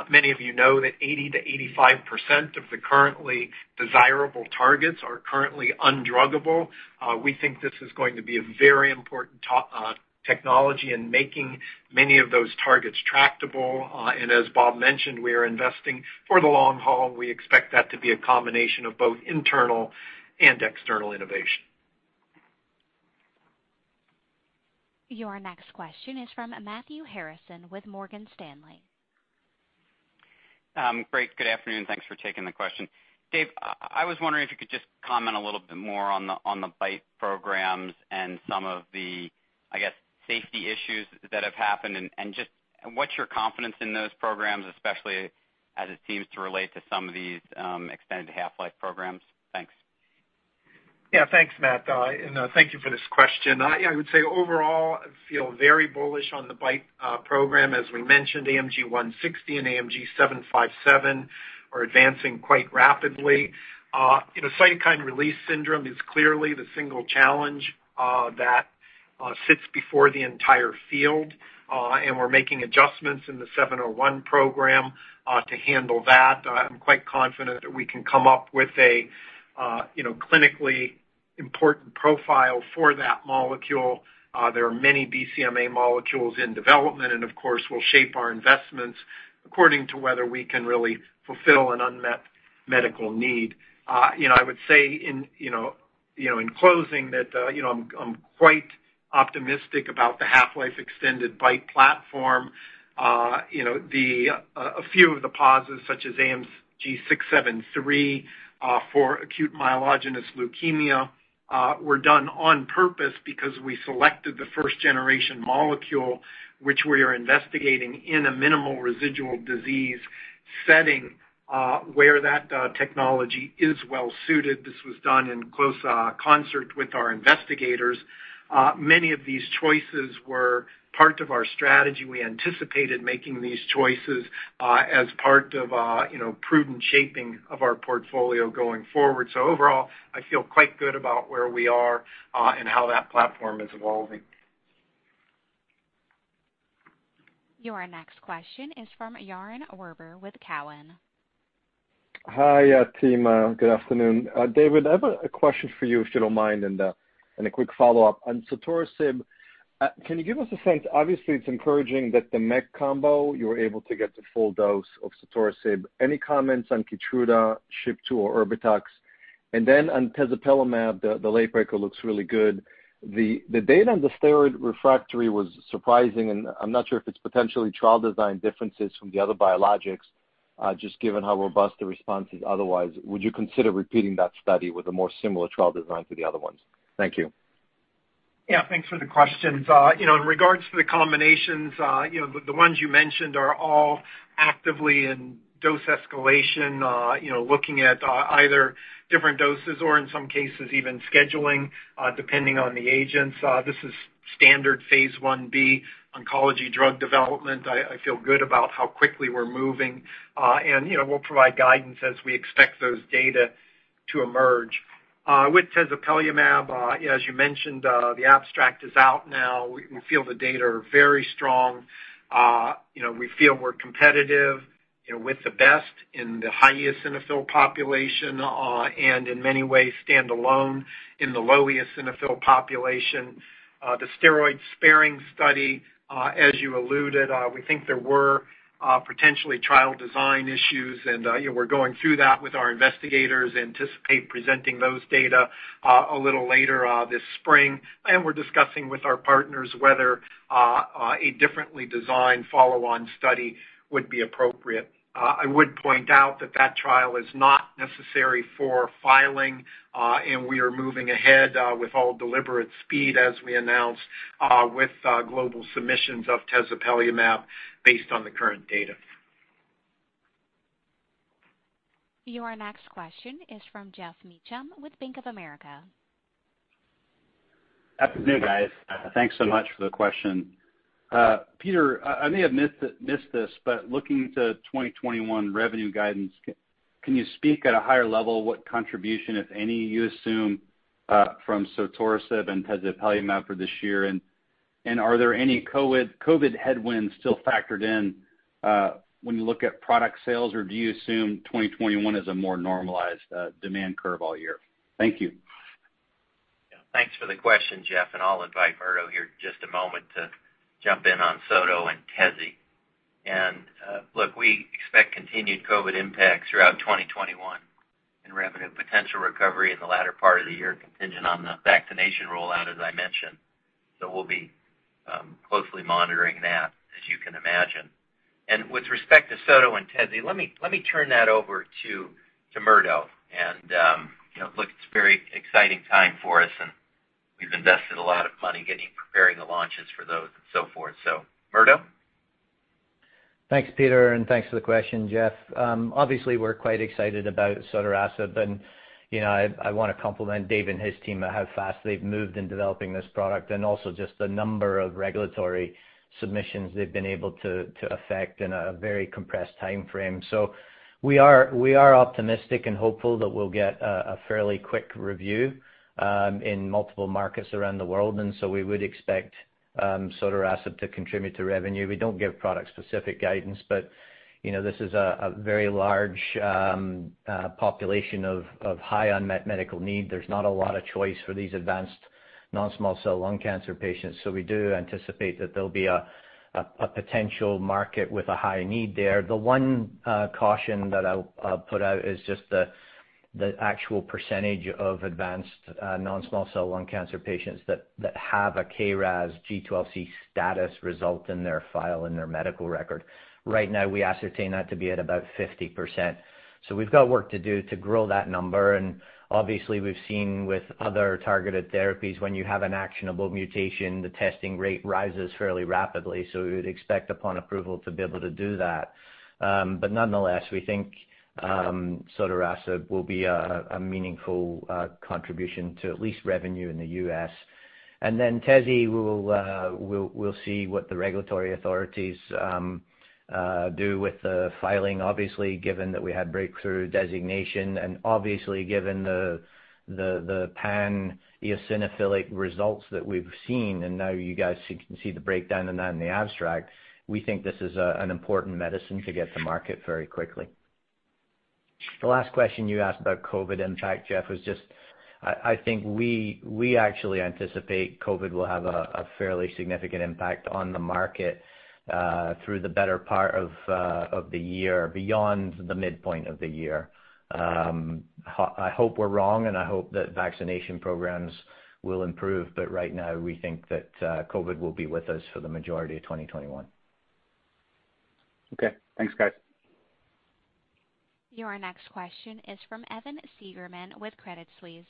Many of you know that 80%-85% of the currently desirable targets are currently undruggable. We think this is going to be a very important technology in making many of those targets tractable. As Bob mentioned, we are investing for the long haul. We expect that to be a combination of both internal and external innovation. Your next question is from Matthew Harrison with Morgan Stanley. Great. Good afternoon. Thanks for taking the question. Dave, I was wondering if you could just comment a little bit more on the BiTE programs and some of the safety issues that have happened, and just what's your confidence in those programs, especially as it seems to relate to some of these extended half-life programs? Thanks. Yeah. Thanks, Matt, and thank you for this question. I would say overall, I feel very bullish on the BiTE program. As we mentioned, AMG 160 and AMG 757 are advancing quite rapidly. You know, cytokine release syndrome is clearly the single challenge that sits before the entire field, and we're making adjustments in the 701 program to handle that. I'm quite confident that we can come up with a, you know, clinically important profile for that molecule. There are many BCMA molecules in development, and of course, we'll shape our investments according to whether we can really fulfill an unmet medical need. I would say in, you know, closing that I'm quite optimistic about the half-life extended BiTE platform. A few of the pauses, such as AMG 673 for acute myeloid leukemia were done on purpose because we selected the first-generation molecule, which we are investigating in a minimal residual disease setting where that technology is well suited. This was done in close concert with our investigators. Many of these choices were part of our strategy. We anticipated making these choices as part of prudent shaping of our portfolio going forward. Overall, I feel quite good about where we are and how that platform is evolving. Your next question is from Yaron Werber with Cowen. Hi, team. Good afternoon. David, I have a question for you, if you don't mind, and a quick follow-up. On sotorasib, can you give us a sense, obviously, it's encouraging that the MEK combo, you were able to get to full dose of sotorasib. Any comments on KEYTRUDA, SHP2, or Erbitux. And then, on tezepelumab, the late breaker looks really good. The data on the steroid refractory was surprising, and I'm not sure if it's potentially trial design differences from the other biologics, just given how robust the response is otherwise. Would you consider repeating that study with a more similar trial design to the other ones? Thank you. Yeah, thanks for the questions. You know, in regards to the combinations, the ones you mentioned are all actively in dose escalation looking at either different doses or in some cases even scheduling depending on the agents. This is standard phase I-B oncology drug development. I feel good about how quickly we're moving. We'll provide guidance as we expect those data to emerge. With tezepelumab, as you mentioned, the abstract is out now. We feel the data are very strong. We feel we're competitive with the best in the highest eosinophil population, and in many ways stand alone in the lowest eosinophil population. The steroid-sparing study, as you alluded, we think there were potentially trial design issues, and we're going through that with our investigators, anticipate presenting those data a little later this spring. We're discussing with our partners whether a differently designed follow-on study would be appropriate. I would point out that that trial is not necessary for filing, and we are moving ahead with all deliberate speed, as we announced, with global submissions of tezepelumab based on the current data. Your next question is from Geoff Meacham with Bank of America. Afternoon, guys. Thanks so much for the question. Peter, I may have missed this, but looking to 2021 revenue guidance, can you speak at a higher level what contribution, if any, you assume from sotorasib and tezepelumab for this year? Are there any COVID headwinds still factored in when you look at product sales? Do you assume 2021 is a more normalized demand curve all year? Thank you. Thanks for the question, Geoff. I'll invite Murdo here just a moment to jump in on sotorasib and tezepelumab. Look, we expect continued COVID impacts throughout 2021 and revenue potential recovery in the latter part of the year contingent on the vaccination rollout, as I mentioned. We'll be closely monitoring that, as you can imagine. With respect to sotorasib and tezepelumab, let me turn that over to Murdo. Look, it's a very exciting time for us. We've invested a lot of money preparing the launches for those and so forth. Murdo? Thanks, Peter, thanks for the question, Geoff. Obviously, we're quite excited about sotorasib. You know, I want to compliment Dave and his team at how fast they've moved in developing this product, just the number of regulatory submissions they've been able to effect in a very compressed timeframe. We are optimistic and hopeful that we'll get a fairly quick review in multiple markets around the world. We would expect sotorasib to contribute to revenue. We don't give product-specific guidance. But, you know, this is a very large population of high unmet medical need. There's not a lot of choice for these advanced non-small cell lung cancer patients. We do anticipate that there'll be a potential market with a high need there. The one caution that I'll put out is just the actual percentage of advanced non-small cell lung cancer patients that have a KRAS G12C status result in their file in their medical record. Right now, we ascertain that to be at about 50%. We've got work to do to grow that number, and obviously we've seen with other targeted therapies, when you have an actionable mutation, the testing rate rises fairly rapidly. We would expect upon approval to be able to do that. Nonetheless, we think sotorasib will be a meaningful contribution to at least revenue in the U.S. Tezepelumab, we'll see what the regulatory authorities do with the filing, obviously, given that we had Breakthrough Therapy designation and obviously given the pan-eosinophilic results that we've seen, and now you guys can see the breakdown in that in the abstract. We think this is an important medicine to get to market very quickly. The last question you asked about COVID impact, Geoff, was just I think we actually anticipate COVID will have a fairly significant impact on the market through the better part of the year, beyond the midpoint of the year. I hope we're wrong, and I hope that vaccination programs will improve, but right now, we think that COVID will be with us for the majority of 2021. Okay. Thanks, guys. Your next question is from Evan Seigerman with Credit Suisse.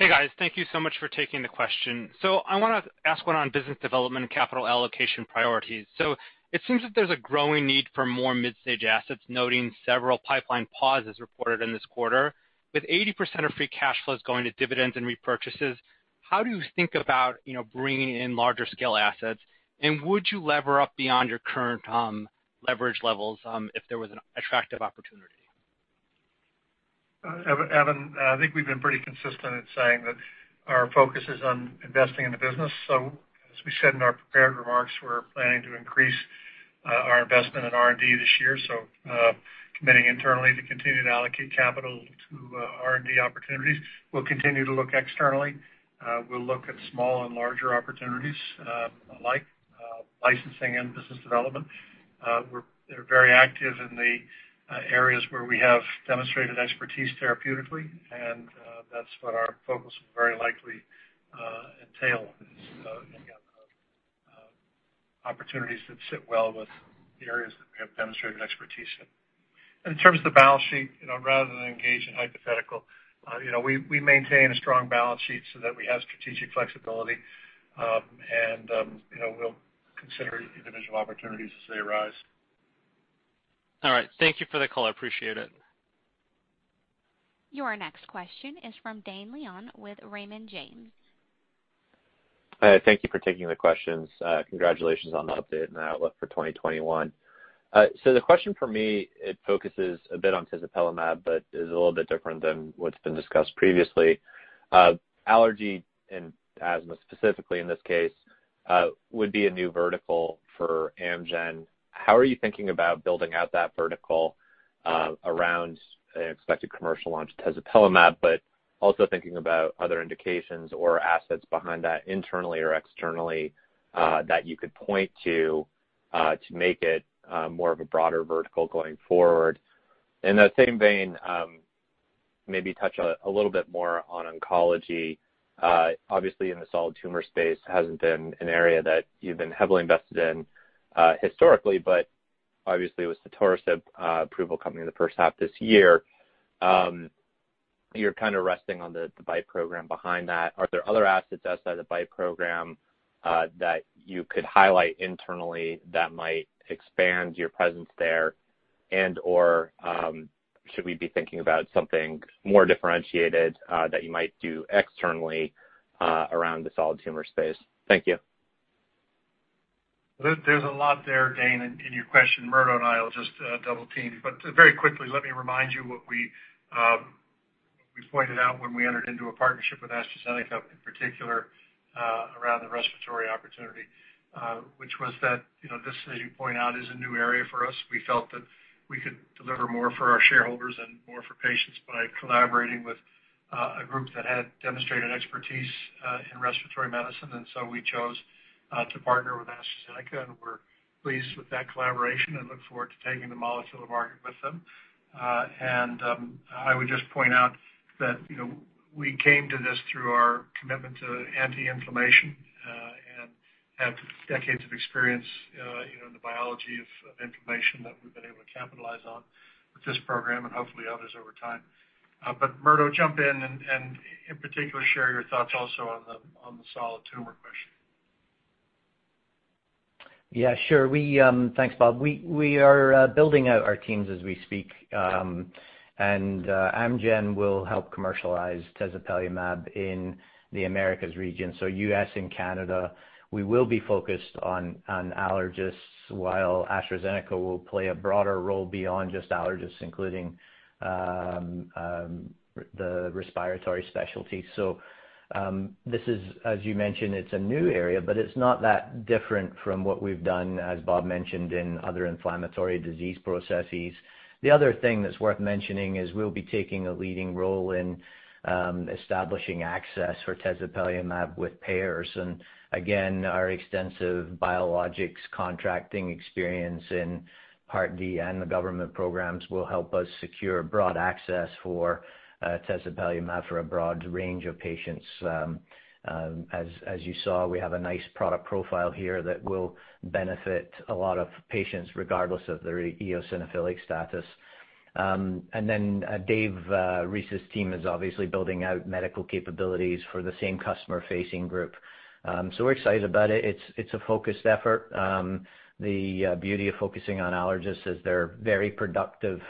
Hey, guys. Thank you so much for taking the question. I want to ask one on business development and capital allocation priorities. It seems that there's a growing need for more mid-stage assets, noting several pipeline pauses reported in this quarter. With 80% of free cash flows going to dividends and repurchases, how do you think about, you know, bringing in larger scale assets? Would you lever up beyond your current leverage levels if there was an attractive opportunity? Evan, I think we've been pretty consistent in saying that our focus is on investing in the business. as we said in our prepared remarks, we're planning to increase our investment in R&D this year. committing internally to continue to allocate capital to R&D opportunities. We'll continue to look externally. We'll look at small and larger opportunities alike, licensing and business development. We're very active in the areas where we have demonstrated expertise therapeutically, and that's what our focus will very likely entail is again, opportunities that sit well with the areas that we have demonstrated expertise in. In terms of the balance sheet, rather than engage in hypothetical, you know, we maintain a strong balance sheet so that we have strategic flexibility. We'll consider individual opportunities as they arise. All right. Thank you for the call. I appreciate it. Your next question is from Dane Leone with Raymond James. Thank you for taking the questions. Congratulations on the update and the outlook for 2021. The question for me, it focuses a bit on tezepelumab, but is a little bit different than what's been discussed previously. Allergy and asthma, specifically in this case, would be a new vertical for Amgen. How are you thinking about building out that vertical around an expected commercial launch of tezepelumab, but also thinking about other indications or assets behind that, internally or externally, that you could point to make it more of a broader vertical going forward? In that same vein, maybe touch a little bit more on oncology. Obviously, in the solid tumor space, hasn't been an area that you've been heavily invested in historically, but obviously with sotorasib approval coming in the first half this year, you're kind of resting on the BiTE program behind that. Are there other assets outside the BiTE program that you could highlight internally that might expand your presence there? Or should we be thinking about something more differentiated that you might do externally around the solid tumor space? Thank you. There's a lot there, Dane, in your question. Murdo and I will just double team. Very quickly, let me remind you what we pointed out when we entered into a partnership with AstraZeneca in particular around the respiratory opportunity, which was that this, as you point out, is a new area for us. We felt that we could deliver more for our shareholders and more for patients by collaborating with a group that had demonstrated expertise in respiratory medicine. We chose to partner with AstraZeneca, and we're pleased with that collaboration and look forward to taking the molecule to market with them. I would just point out that we came to this through our commitment to anti-inflammation and have decades of experience in the biology of inflammation that we've been able to capitalize on with this program and hopefully others over time. Murdo, jump in and, in particular, share your thoughts also on the solid tumor question. Yeah, sure. Thanks, Bob. We are building out our teams as we speak. Amgen will help commercialize tezepelumab in the Americas region, so U.S. and Canada. We will be focused on allergists while AstraZeneca will play a broader role beyond just allergists, including the respiratory specialty. This is, as you mentioned, it's a new area, but it's not that different from what we've done, as Bob mentioned, in other inflammatory disease processes. The other thing that's worth mentioning is we'll be taking a leading role in establishing access for tezepelumab with payers. Again, our extensive biologics contracting experience in Part D and the government programs will help us secure broad access for tezepelumab for a broad range of patients. As you saw, we have a nice product profile here that will benefit a lot of patients regardless of their eosinophilic status. Then Dave Reese's team is obviously building out medical capabilities for the same customer-facing group. We're excited about it. It's a focused effort. The beauty of focusing on allergists is they're very productive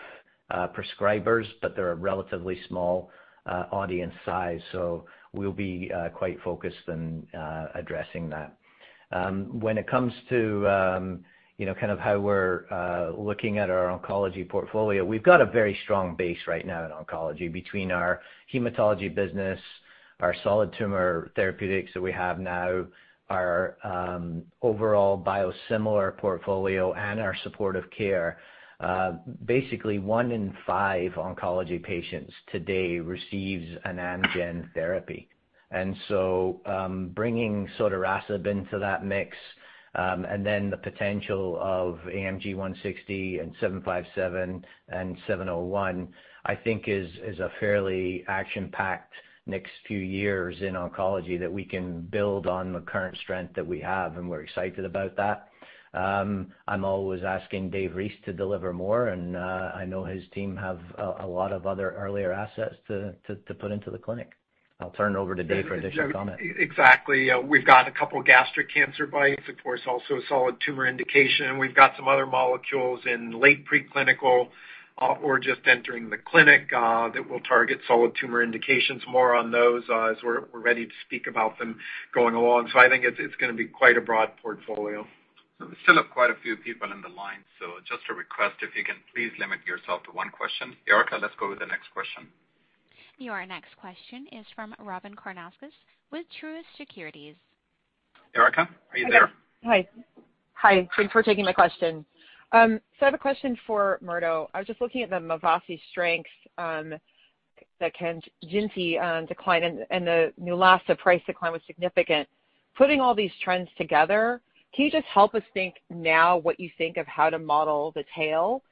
prescribers, but they're a relatively small audience size, so we'll be quite focused in addressing that. When it comes to, you know, kind of how we're looking at our oncology portfolio, we've got a very strong base right now in oncology between our hematology business, our solid tumor therapeutics that we have now, our overall biosimilar portfolio, and our supportive care. Basically, one in five oncology patients today receives an Amgen therapy, and so bringing sotorasib into that mix, and then the potential of AMG 160 and 757 and 701, I think is a fairly action-packed next few years in oncology that we can build on the current strength that we have, and we're excited about that. I'm always asking Dave Reese to deliver more. I know his team have a lot of other earlier assets to put into the clinic. I'll turn it over to Dave for additional comment. Exactly. We've got a couple gastric cancer BiTEs, of course, also a solid tumor indication. We've got some other molecules in late preclinical or just entering the clinic that will target solid tumor indications. More on those as we're ready to speak about them going along. I think it's going to be quite a broad portfolio. We still have quite a few people on the line. Just a request, if you can please limit yourself to one question. Erica, let's go with the next question. Your next question is from Robyn Karnauskas with Truist Securities. Erica, are you there? Yes. Hi. Thanks for taking my question. I have a question for Murdo. I was just looking at the MVASI strength that can KANJINTI decline and the NEULASTA price decline was significant. Putting all these trends together, can you just help us think now what you think of how to model the tail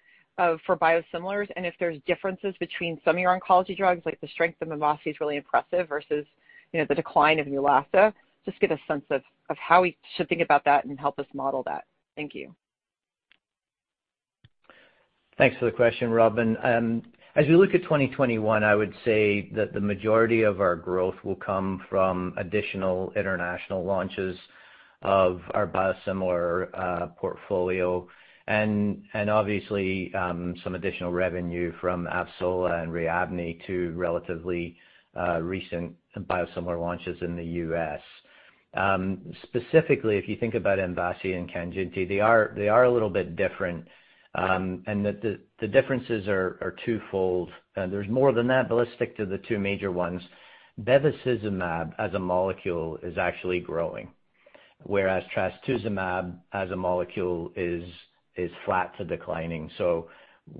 for biosimilars, and if there's differences between some of your oncology drugs, like the strength of MVASI is really impressive versus the decline of NEULASTA? Just get a sense of how we should think about that and help us model that. Thank you. Thanks for the question, Robyn. As we look at 2021, I would say that the majority of our growth will come from additional international launches of our biosimilar portfolio, and obviously some additional revenue from AMJEVITA and RIABNI, two relatively recent biosimilar launches in the U.S.. Specifically, if you think about MVASI and KANJINTI, they are a little bit different, and the differences are twofold. There's more than that, but let's stick to the two major ones. bevacizumab as a molecule is actually growing, whereas trastuzumab as a molecule is flat to declining.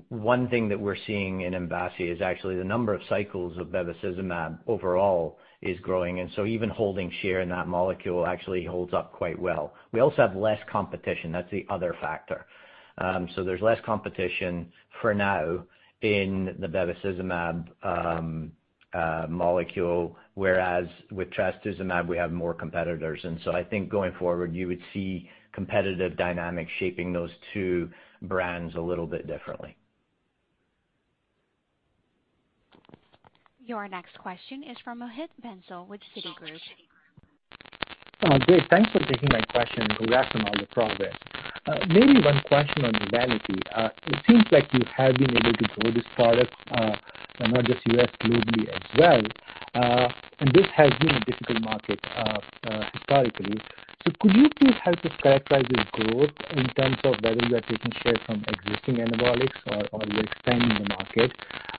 One thing that we're seeing in MVASI is actually the number of cycles of bevacizumab overall is growing, and so even holding share in that molecule actually holds up quite well. We also have less competition, that's the other factor. There's less competition for now in the bevacizumab molecule, whereas with trastuzumab, we have more competitors. I think going forward, you would see competitive dynamics shaping those two brands a little bit differently. Your next question is from Mohit Bansal with Citigroup. Great. Thanks for taking my question and for wrapping all the progress. Maybe one question on EVENITY. It seems like you have been able to grow this product, and not just U.S., globally as well. This has been a difficult market historically. Could you please help us characterize this growth in terms of whether you are taking share from existing anabolic or you're expanding the market?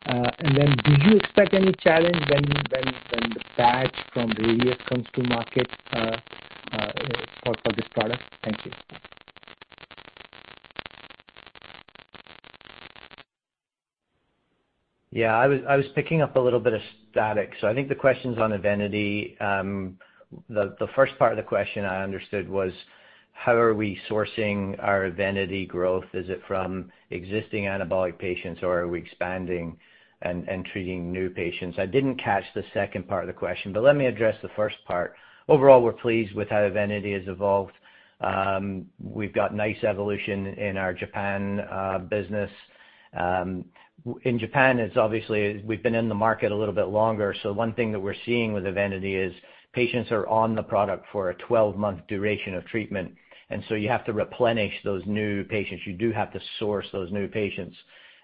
Do you expect any challenge when the patch from Radius comes to market for this product? Thank you. Yeah, I was picking up a little bit of static. I think the question's on EVENITY. The first part of the question I understood was how are we sourcing our EVENITY growth? Is it from existing anabolic patients or are we expanding and treating new patients? I didn't catch the second part of the question, let me address the first part. Overall, we're pleased with how EVENITY has evolved. We've got nice evolution in our Japan business. In Japan, obviously, we've been in the market a little bit longer, one thing that we're seeing with EVENITY is patients are on the product for a 12-month duration of treatment. You have to replenish those new patients. You do have to source those new patients.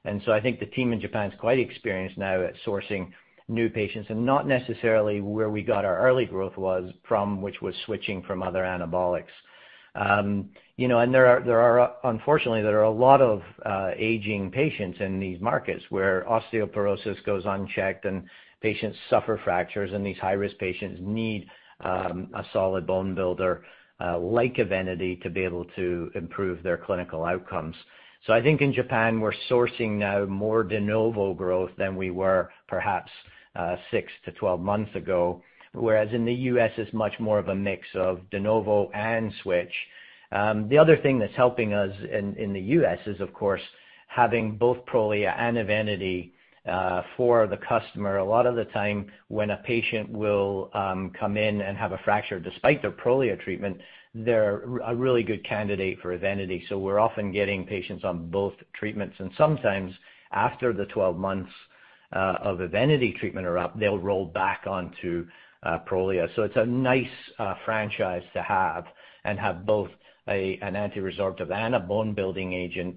I think the team in Japan is quite experienced now at sourcing new patients and not necessarily where we got our early growth was from, which was switching from other anabolic. Unfortunately, there are a lot of aging patients in these markets where osteoporosis goes unchecked and patients suffer fractures, and these high-risk patients need a solid bone builder like EVENITY to be able to improve their clinical outcomes. I think in Japan, we're sourcing now more de novo growth than we were perhaps 6-12 months ago, whereas in the U.S. it's much more of a mix of de novo and switch. The other thing that's helping us in the U.S. is, of course, having both Prolia and EVENITY for the customer. A lot of the time when a patient will come in and have a fracture despite their Prolia treatment, they're a really good candidate for EVENITY. We're often getting patients on both treatments, and sometimes after the 12 months of EVENITY treatment are up, they'll roll back onto Prolia. It's a nice franchise to have and have both an antiresorptive and a bone-building agent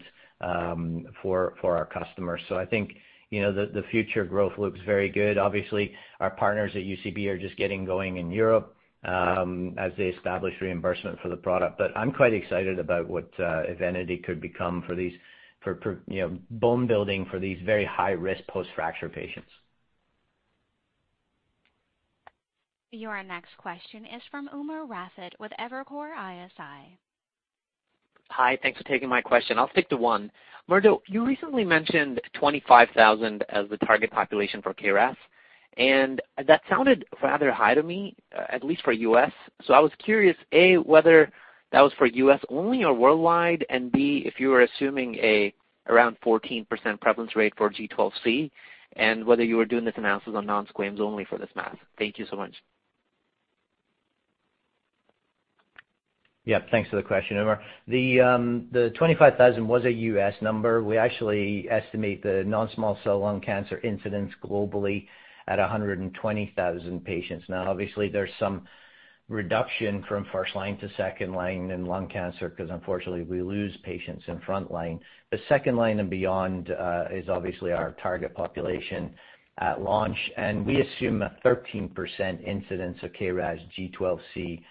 for our customers. I think, you know the future growth looks very good. Obviously, our partners at UCB are just getting going in Europe as they establish reimbursement for the product. I'm quite excited about what EVENITY could become for, you know, bone building for these very high-risk post-fracture patients. Your next question is from Umer Raffat with Evercore ISI. Hi. Thanks for taking my question. I'll stick to one. Murdo, you recently mentioned 25,000 as the target population for KRAS, and that sounded rather high to me, at least for U.S. I was curious, A, whether that was for U.S. only or worldwide, and B, if you are assuming around 14% prevalence rate for G12C, and whether you are doing this analysis on non-squams only for this math.?Thank you so much. Yeah. Thanks for the question, Umer. The 25,000 was a U.S. number. We actually estimate the non-small cell lung cancer incidence globally at 120,000 patients. Obviously there's some reduction from first line to second line in lung cancer because unfortunately we lose patients in front line. The second line and beyond is obviously our target population at launch, and we assume a 13% incidence of KRAS G12C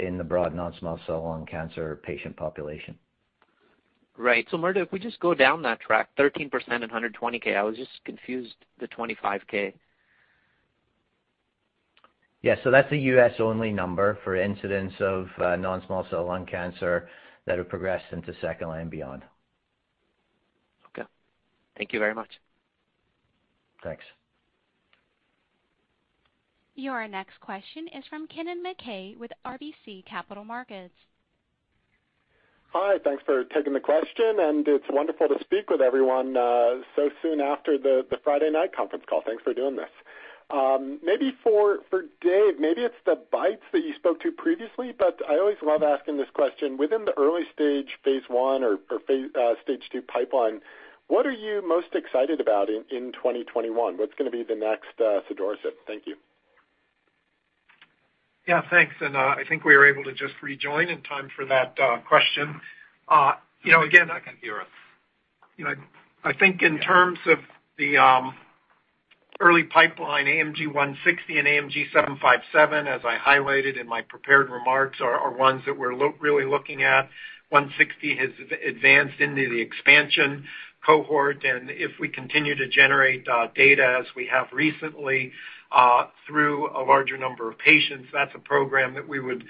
in the broad non-small cell lung cancer patient population. Right. Murdo, if we just go down that track, 13% and 120,000. I was just confused the 25,000. Yeah. That's a U.S. only number for incidence of non-small cell lung cancer that have progressed into second line beyond. Okay. Thank you very much. Thanks. Your next question is from Kennen MacKay with RBC Capital Markets. Hi, thanks for taking the question. It's wonderful to speak with everyone so soon after the Friday night conference call. Thanks for doing this. Dave, maybe it's the BiTEs that you spoke to previously. I always love asking this question. Within the early stage, phase I or stage 2 pipeline, what are you most excited about in 2021? What's going to be the next sotorasib? Thank you. Yeah, thanks. I think we were able to just rejoin in time for that question. I can hear us. I think in terms of the early pipeline, AMG 160 and AMG 757, as I highlighted in my prepared remarks, are ones that we're really looking at. A 160 has advanced into the expansion cohort. If we continue to generate data as we have recently through a larger number of patients, that's a program that we would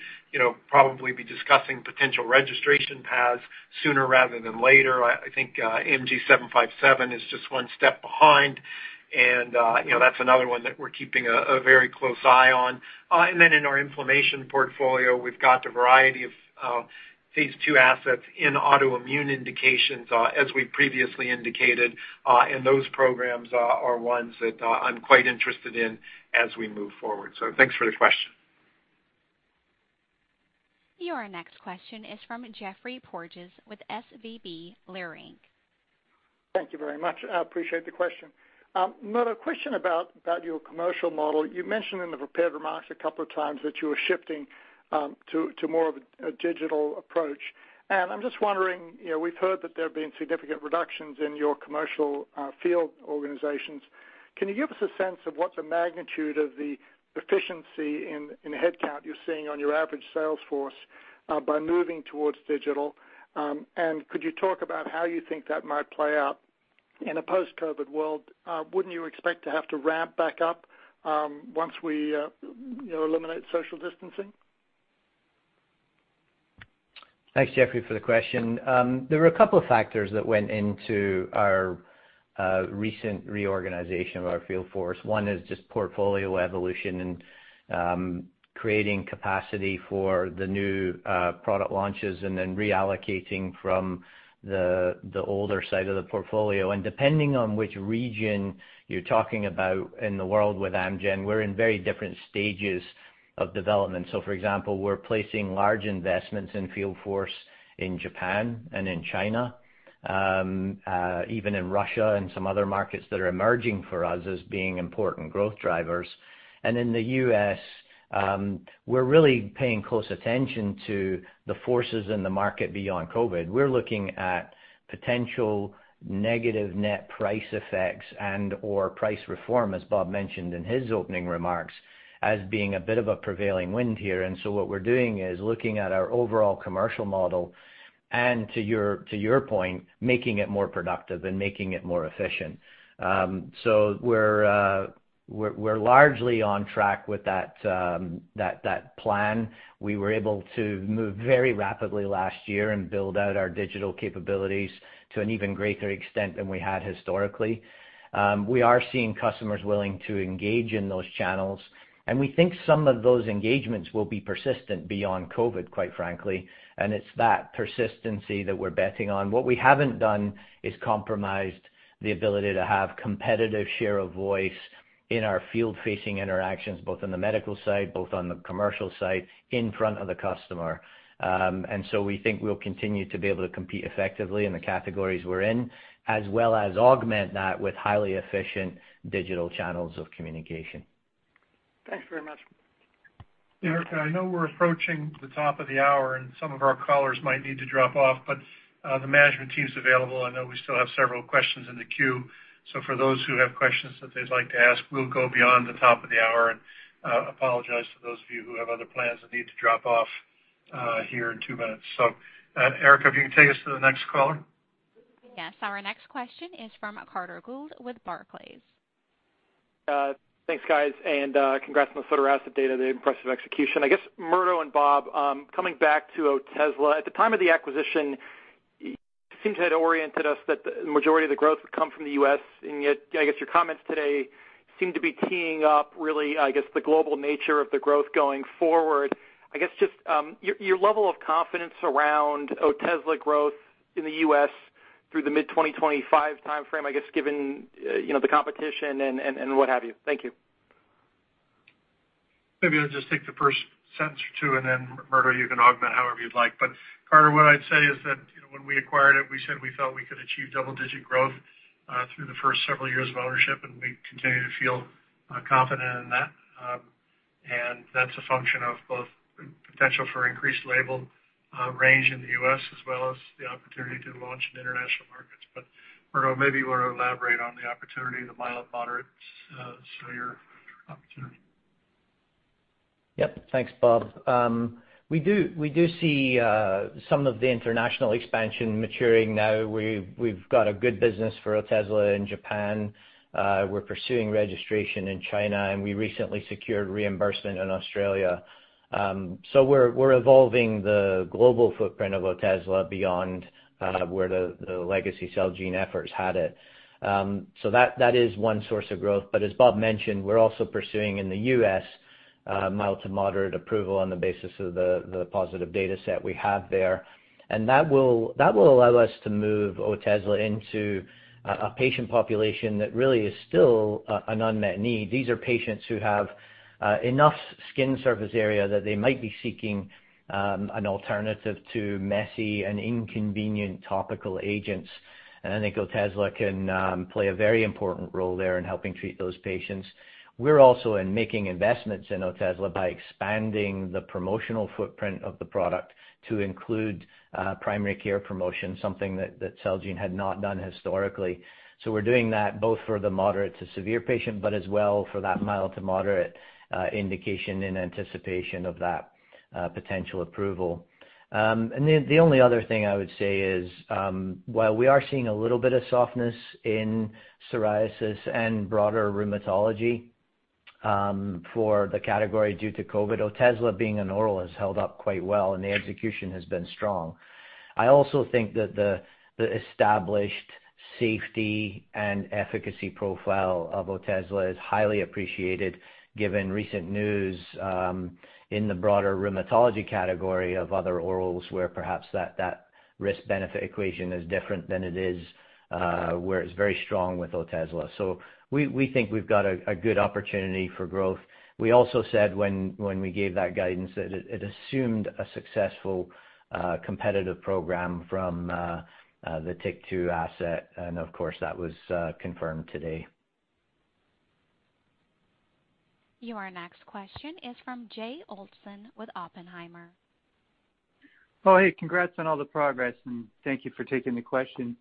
probably be discussing potential registration paths sooner rather than later. I think AMG 757 is just one step behind. That's another one that we're keeping a very close eye on. In our inflammation portfolio, we've got a variety of phase II assets in autoimmune indications, as we previously indicated. Those programs are ones that I'm quite interested in as we move forward. Thanks for the question. Your next question is from Geoffrey Porges with SVB Leerink. Thank you very much. I appreciate the question. Murdo, question about your commercial model. You mentioned in the prepared remarks a couple of times that you were shifting to more of a digital approach. I'm just wondering, we've heard that there have been significant reductions in your commercial field organizations. Can you give us a sense of what the magnitude of the efficiency in headcount you're seeing on your average sales force by moving towards digital? Could you talk about how you think that might play out in a post-COVID world? Wouldn't you expect to have to ramp back up once we eliminate social distancing? Thanks, Geoffrey, for the question. There were a couple of factors that went into our recent reorganization of our field force. One is just portfolio evolution and creating capacity for the new product launches, and then reallocating from the older side of the portfolio. Depending on which region you're talking about in the world with Amgen, we're in very different stages of development. For example, we're placing large investments in field force in Japan and in China, even in Russia and some other markets that are emerging for us as being important growth drivers. In the U.S., we're really paying close attention to the forces in the market beyond COVID. We're looking at potential negative net price effects and/or price reform, as Bob mentioned in his opening remarks, as being a bit of a prevailing wind here. What we're doing is looking at our overall commercial model and to your point, making it more productive and making it more efficient. We're largely on track with that plan. We were able to move very rapidly last year and build out our digital capabilities to an even greater extent than we had historically. We are seeing customers willing to engage in those channels, and we think some of those engagements will be persistent beyond COVID, quite frankly. It's that persistency that we're betting on. What we haven't done is compromised the ability to have competitive share of voice in our field-facing interactions, both on the medical side, both on the commercial side, in front of the customer. We think we'll continue to be able to compete effectively in the categories we're in, as well as augment that with highly efficient digital channels of communication. Thanks very much. Erica, I know we're approaching the top of the hour, and some of our callers might need to drop off, but the management team's available. I know we still have several questions in the queue, so for those who have questions that they'd like to ask, we'll go beyond the top of the hour and apologize to those of you who have other plans and need to drop off here in two minutes. Erica, if you can take us to the next caller. Yes. Our next question is from Carter Gould with Barclays. Thanks, guys, and congrats on the sotorasib data, the impressive execution. I guess Murdo and Bob, coming back to Otezla, at the time of the acquisition, you seem to have oriented us that the majority of the growth would come from the U.S., yet, I guess your comments today seem to be teeing up really, I guess, the global nature of the growth going forward. I guess just your level of confidence around Otezla growth in the U.S. through the mid 2025 timeframe, I guess, given the competition and what have you. Thank you. Maybe I'll just take the first sentence or two and then Murdo, you can augment however you'd like. Carter, what I'd say is that when we acquired it, we said we felt we could achieve double-digit growth through the first several years of ownership, and we continue to feel confident in that. That's a function of both potential for increased label range in the U.S. as well as the opportunity to launch in international markets. Murdo, maybe you want to elaborate on the opportunity, the mild-to-moderate psoriasis opportunity. Yep. Thanks, Bob. We do see some of the international expansion maturing now. We've got a good business for Otezla in Japan. We're pursuing registration in China, and we recently secured reimbursement in Australia. We're evolving the global footprint of Otezla beyond where the legacy Celgene efforts had it. That is one source of growth. As Bob mentioned, we're also pursuing in the U.S. mild to moderate approval on the basis of the positive data set we have there. That will allow us to move Otezla into a patient population that really is still an unmet need. These are patients who have enough skin surface area that they might be seeking an alternative to messy and inconvenient topical agents. I think Otezla can play a very important role there in helping treat those patients. We're also in making investments in Otezla by expanding the promotional footprint of the product to include primary care promotion, something that Celgene had not done historically. We're doing that both for the moderate to severe patient, but as well for that mild to moderate indication in anticipation of that potential approval. The only other thing I would say is, while we are seeing a little bit of softness in psoriasis and broader rheumatology for the category due to COVID, Otezla being an oral has held up quite well, and the execution has been strong. I also think that the established safety and efficacy profile of Otezla is highly appreciated given recent news in the broader rheumatology category of other orals, where perhaps that risk-benefit equation is different than it is, where it's very strong with Otezla. We think we've got a good opportunity for growth. We also said when we gave that guidance, that it assumed a successful competitive program from the TYK2 asset, and of course, that was confirmed today. Your next question is from Jay Olson with Oppenheimer. Oh, hey, congrats on all the progress. Thank you for taking the question.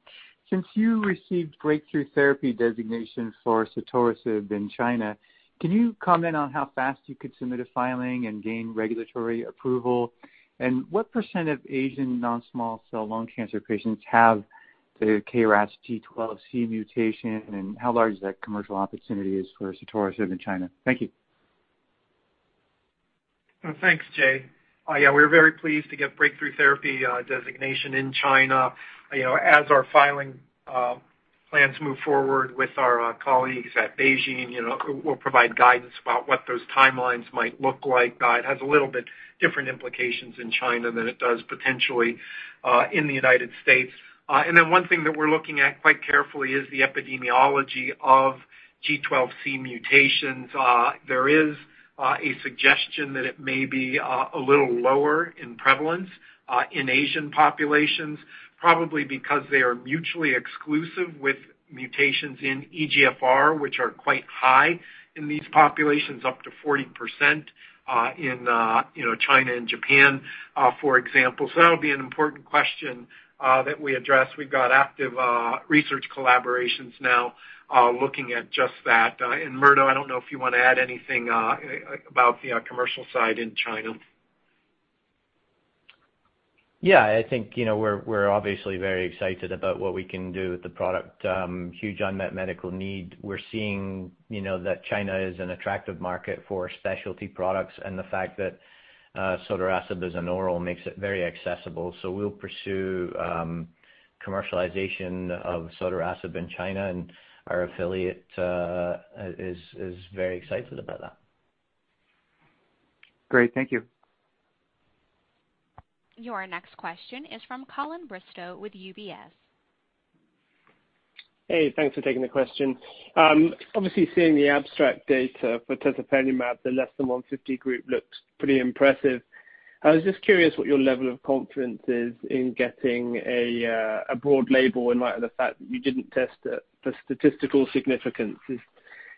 Since you received Breakthrough Therapy designation for sotorasib in China, can you comment on how fast you could submit a filing and gain regulatory approval? What % of Asian non-small cell lung cancer patients have the KRAS G12C mutation, and how large is that commercial opportunity for sotorasib in China? Thank you. Thanks, Jay. We were very pleased to get Breakthrough Therapy designation in China. As our filing plans move forward with our colleagues at BeiGene, we'll provide guidance about what those timelines might look like. It has a little bit different implications in China than it does potentially in the United States. One thing that we're looking at quite carefully is the epidemiology of G12C mutations. There is a suggestion that it may be a little lower in prevalence in Asian populations, probably because they are mutually exclusive with mutations in EGFR, which are quite high in these populations, up to 40% in you know, China and Japan, for example. That'll be an important question that we address. We've got active research collaborations now looking at just that. Murdo, I don't know if you want to add anything about the commercial side in China. I think, we're obviously very excited about what we can do with the product. Huge unmet medical need. We're seeing, you know, that China is an attractive market for specialty products, and the fact that sotorasib is an oral makes it very accessible. We'll pursue commercialization of sotorasib in China, and our affiliate is very excited about that. Great. Thank you. Your next question is from Colin Bristow with UBS. Hey, thanks for taking the question. Obviously, seeing the abstract data for tezepelumab, the less than 150 group looks pretty impressive. I was just curious what your level of confidence is in getting a broad label in light of the fact that you didn't test it for statistical significance.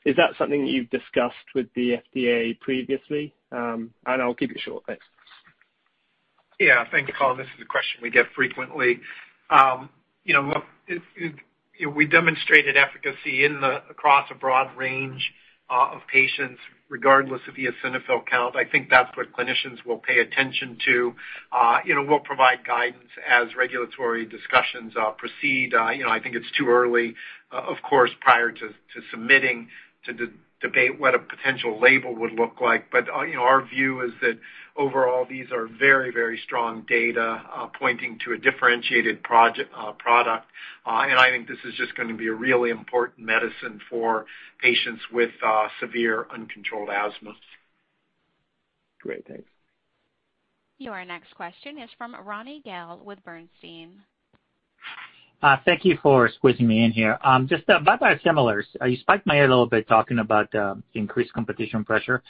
Is that something that you've discussed with the FDA previously? I'll keep it short. Thanks. Thank you, Colin. This is a question we get frequently. We demonstrated efficacy across a broad range of patients, regardless of the eosinophil count. I think that's what clinicians will pay attention to. We'll provide guidance as regulatory discussions proceed. I think it's too early, of course, prior to submitting to debate what a potential label would look like. Our view is that overall, these are very strong data pointing to a differentiated product. I think this is just going to be a really important medicine for patients with severe uncontrolled asthma. Great. Thanks. Your next question is from Ronny Gal with Bernstein. Thank you for squeezing me in here. Just about biosimilars, you spiked my head a little bit talking about the increased competition pressure.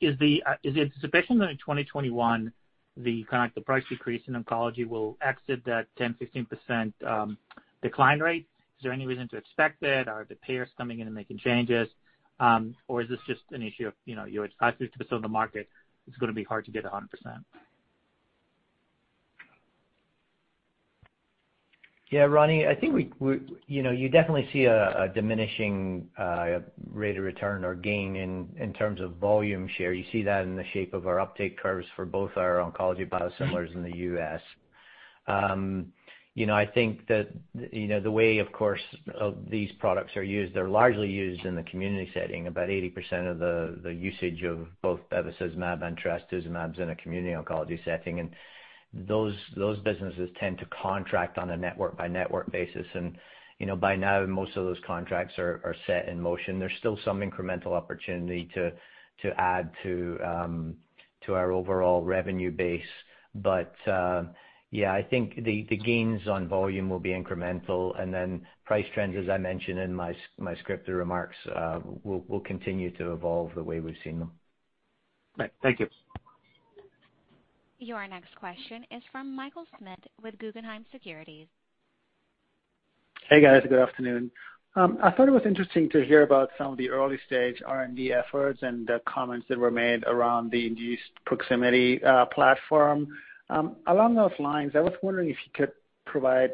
Is the anticipation that in 2021, the price decrease in oncology will exit that 10%, 15% decline rate? Is there any reason to expect it? Are the payers coming in and making changes? Is this just an issue of, you know, you're at 50% of the market, it's going to be hard to get 100%? Yeah, Ronny, I think, you know, you definitely see a diminishing rate of return or gain in terms of volume share. You see that in the shape of our uptake curves for both our oncology biosimilars in the U.S.. You know, I think that the way, of course, these products are used, they are largely used in the community setting. About 80% of the usage of both bevacizumab and trastuzumab is in a community oncology setting, and those businesses tend to contract on a network-by-network basis. By now, most of those contracts are set in motion. There is still some incremental opportunity to add to our overall revenue base. Yeah, I think the gains on volume will be incremental, then price trends, as I mentioned in my scripted remarks, will continue to evolve the way we have seen them. Right. Thank you. Your next question is from Michael Schmidt with Guggenheim Securities. Hey, guys. Good afternoon. I thought it was interesting to hear about some of the early-stage R&D efforts and the comments that were made around the induced proximity platform. Along those lines, I was wondering if you could provide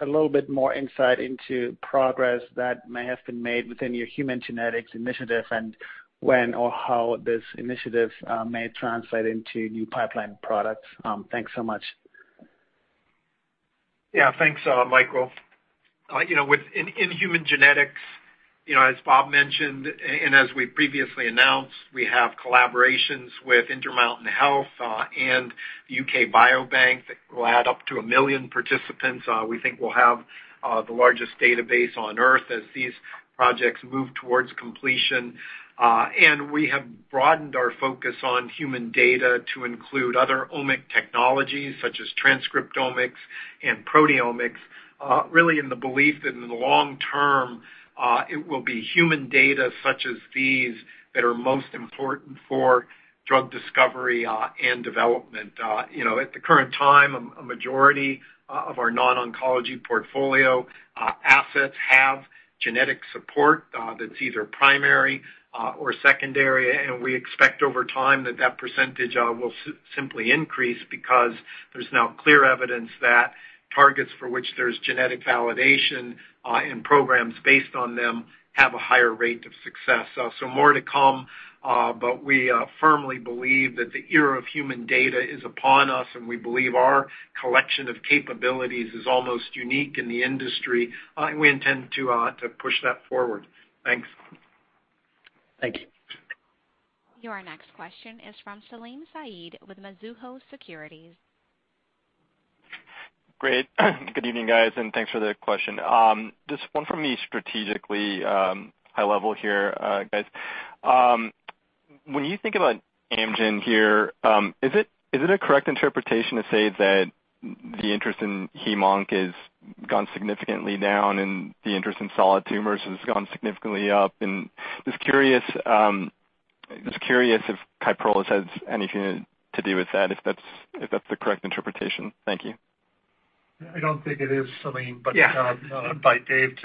a little bit more insight into progress that may have been made within your human genetics initiative, and when or how this initiative may translate into new pipeline products. Thanks so much. Yeah, thanks Michael. You know, In human genetics, you know, as Bob mentioned, and as we previously announced, we have collaborations with Intermountain Health and the UK Biobank that will add up to 1 million participants. We think we'll have the largest database on Earth as these projects move towards completion. We have broadened our focus on human data to include other omic technologies such as transcriptomics and proteomics, really in the belief that in the long term, it will be human data such as these that are most important for drug discovery and development. At the current time, a majority of our non-oncology portfolio assets have genetic support that's either primary or secondary, and we expect over time that that percentage will simply increase, because there's now clear evidence that targets for which there's genetic validation and programs based on them have a higher rate of success. More to come, but we firmly believe that the era of human data is upon us, and we believe our collection of capabilities is almost unique in the industry. We intend to push that forward. Thanks. Thank you. Your next question is from Salim Syed with Mizuho Securities. Great. Good evening, guys. Thanks for the question. Just one for me strategically, high level here, guys. When you think about Amgen here, is it a correct interpretation to say that the interest in hem onc has gone significantly down and the interest in solid tumors has gone significantly up? Just curious if KYPROLIS has anything to do with that, if that's the correct interpretation. Thank you. I don't think it is, Salim. Yeah. Invite Dave.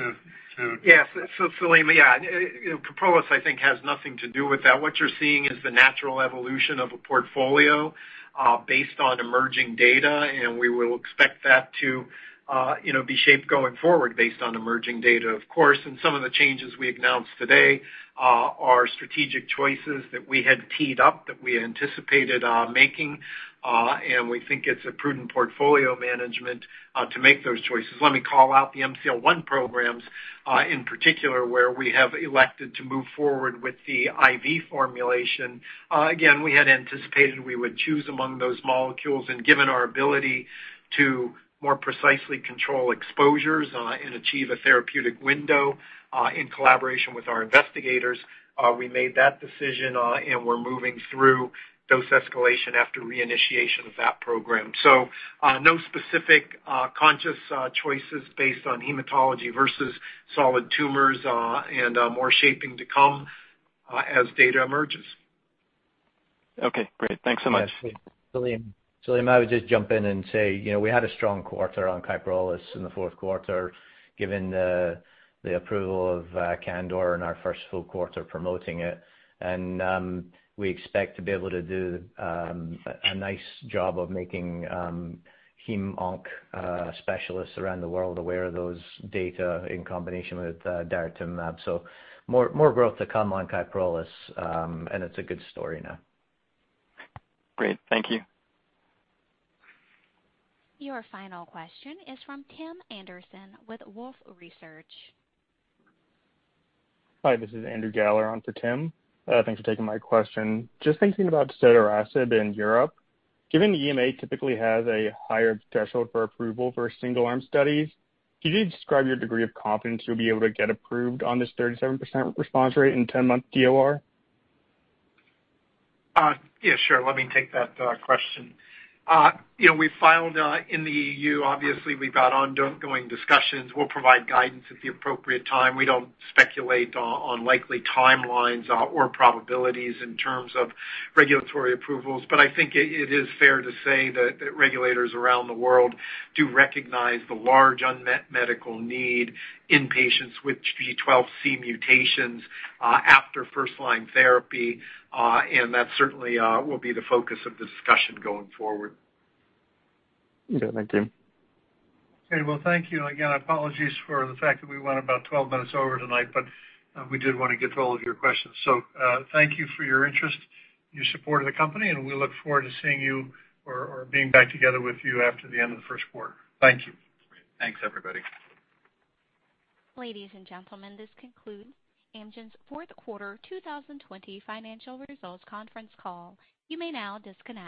Yes. Salim, yeah, KYPROLIS, I think, has nothing to do with that. What you're seeing is the natural evolution of a portfolio based on emerging data, and we will expect that to be shaped going forward based on emerging data, of course. Some of the changes we announced today are strategic choices that we had teed up, that we anticipated making. We think it's a prudent portfolio management to make those choices. Let me call out the MCL-1 programs in particular, where we have elected to move forward with the IV formulation. Again, we had anticipated we would choose among those molecules, and given our ability to more precisely control exposures and achieve a therapeutic window in collaboration with our investigators, we made that decision, and we're moving through dose escalation after reinitiation of that program. No specific conscious choices based on hematology versus solid tumors, and more shaping to come as data emerges. Okay, great. Thanks so much. Yeah. Salim, I would just jump in and say, we had a strong quarter on KYPROLIS in the fourth quarter, given the approval of CANDOR and our first full quarter promoting it. We expect to be able to do a nice job of making hem onc specialists around the world aware of those data in combination with daratumumab. More growth to come on KYPROLIS, and it's a good story now. Great. Thank you. Your final question is from Tim Anderson with Wolfe Research. Hi, this is Andrew Galler on for Tim. Thanks for taking my question. Just thinking about sotorasib in Europe, given the EMA typically has a higher threshold for approval for single-arm studies, could you describe your degree of confidence you'll be able to get approved on this 37% response rate in 10-month DOR? Yeah, sure. Let me take that question. We filed in the EU, obviously we've got ongoing discussions. We'll provide guidance at the appropriate time. We don't speculate on likely timelines or probabilities in terms of regulatory approvals. I think it is fair to say that regulators around the world do recognize the large unmet medical need in patients with G12C mutations after first-line therapy, and that certainly will be the focus of the discussion going forward. Okay, thank you. Okay, well, thank you. Apologies for the fact that we went about 12 minutes over tonight, we did want to get to all of your questions. Thank you for your interest and your support of the company, we look forward to seeing you or being back together with you after the end of the first quarter. Thank you. Thanks, everybody. Ladies and gentlemen, this concludes Amgen's fourth quarter 2020 financial results conference call. You may now disconnect.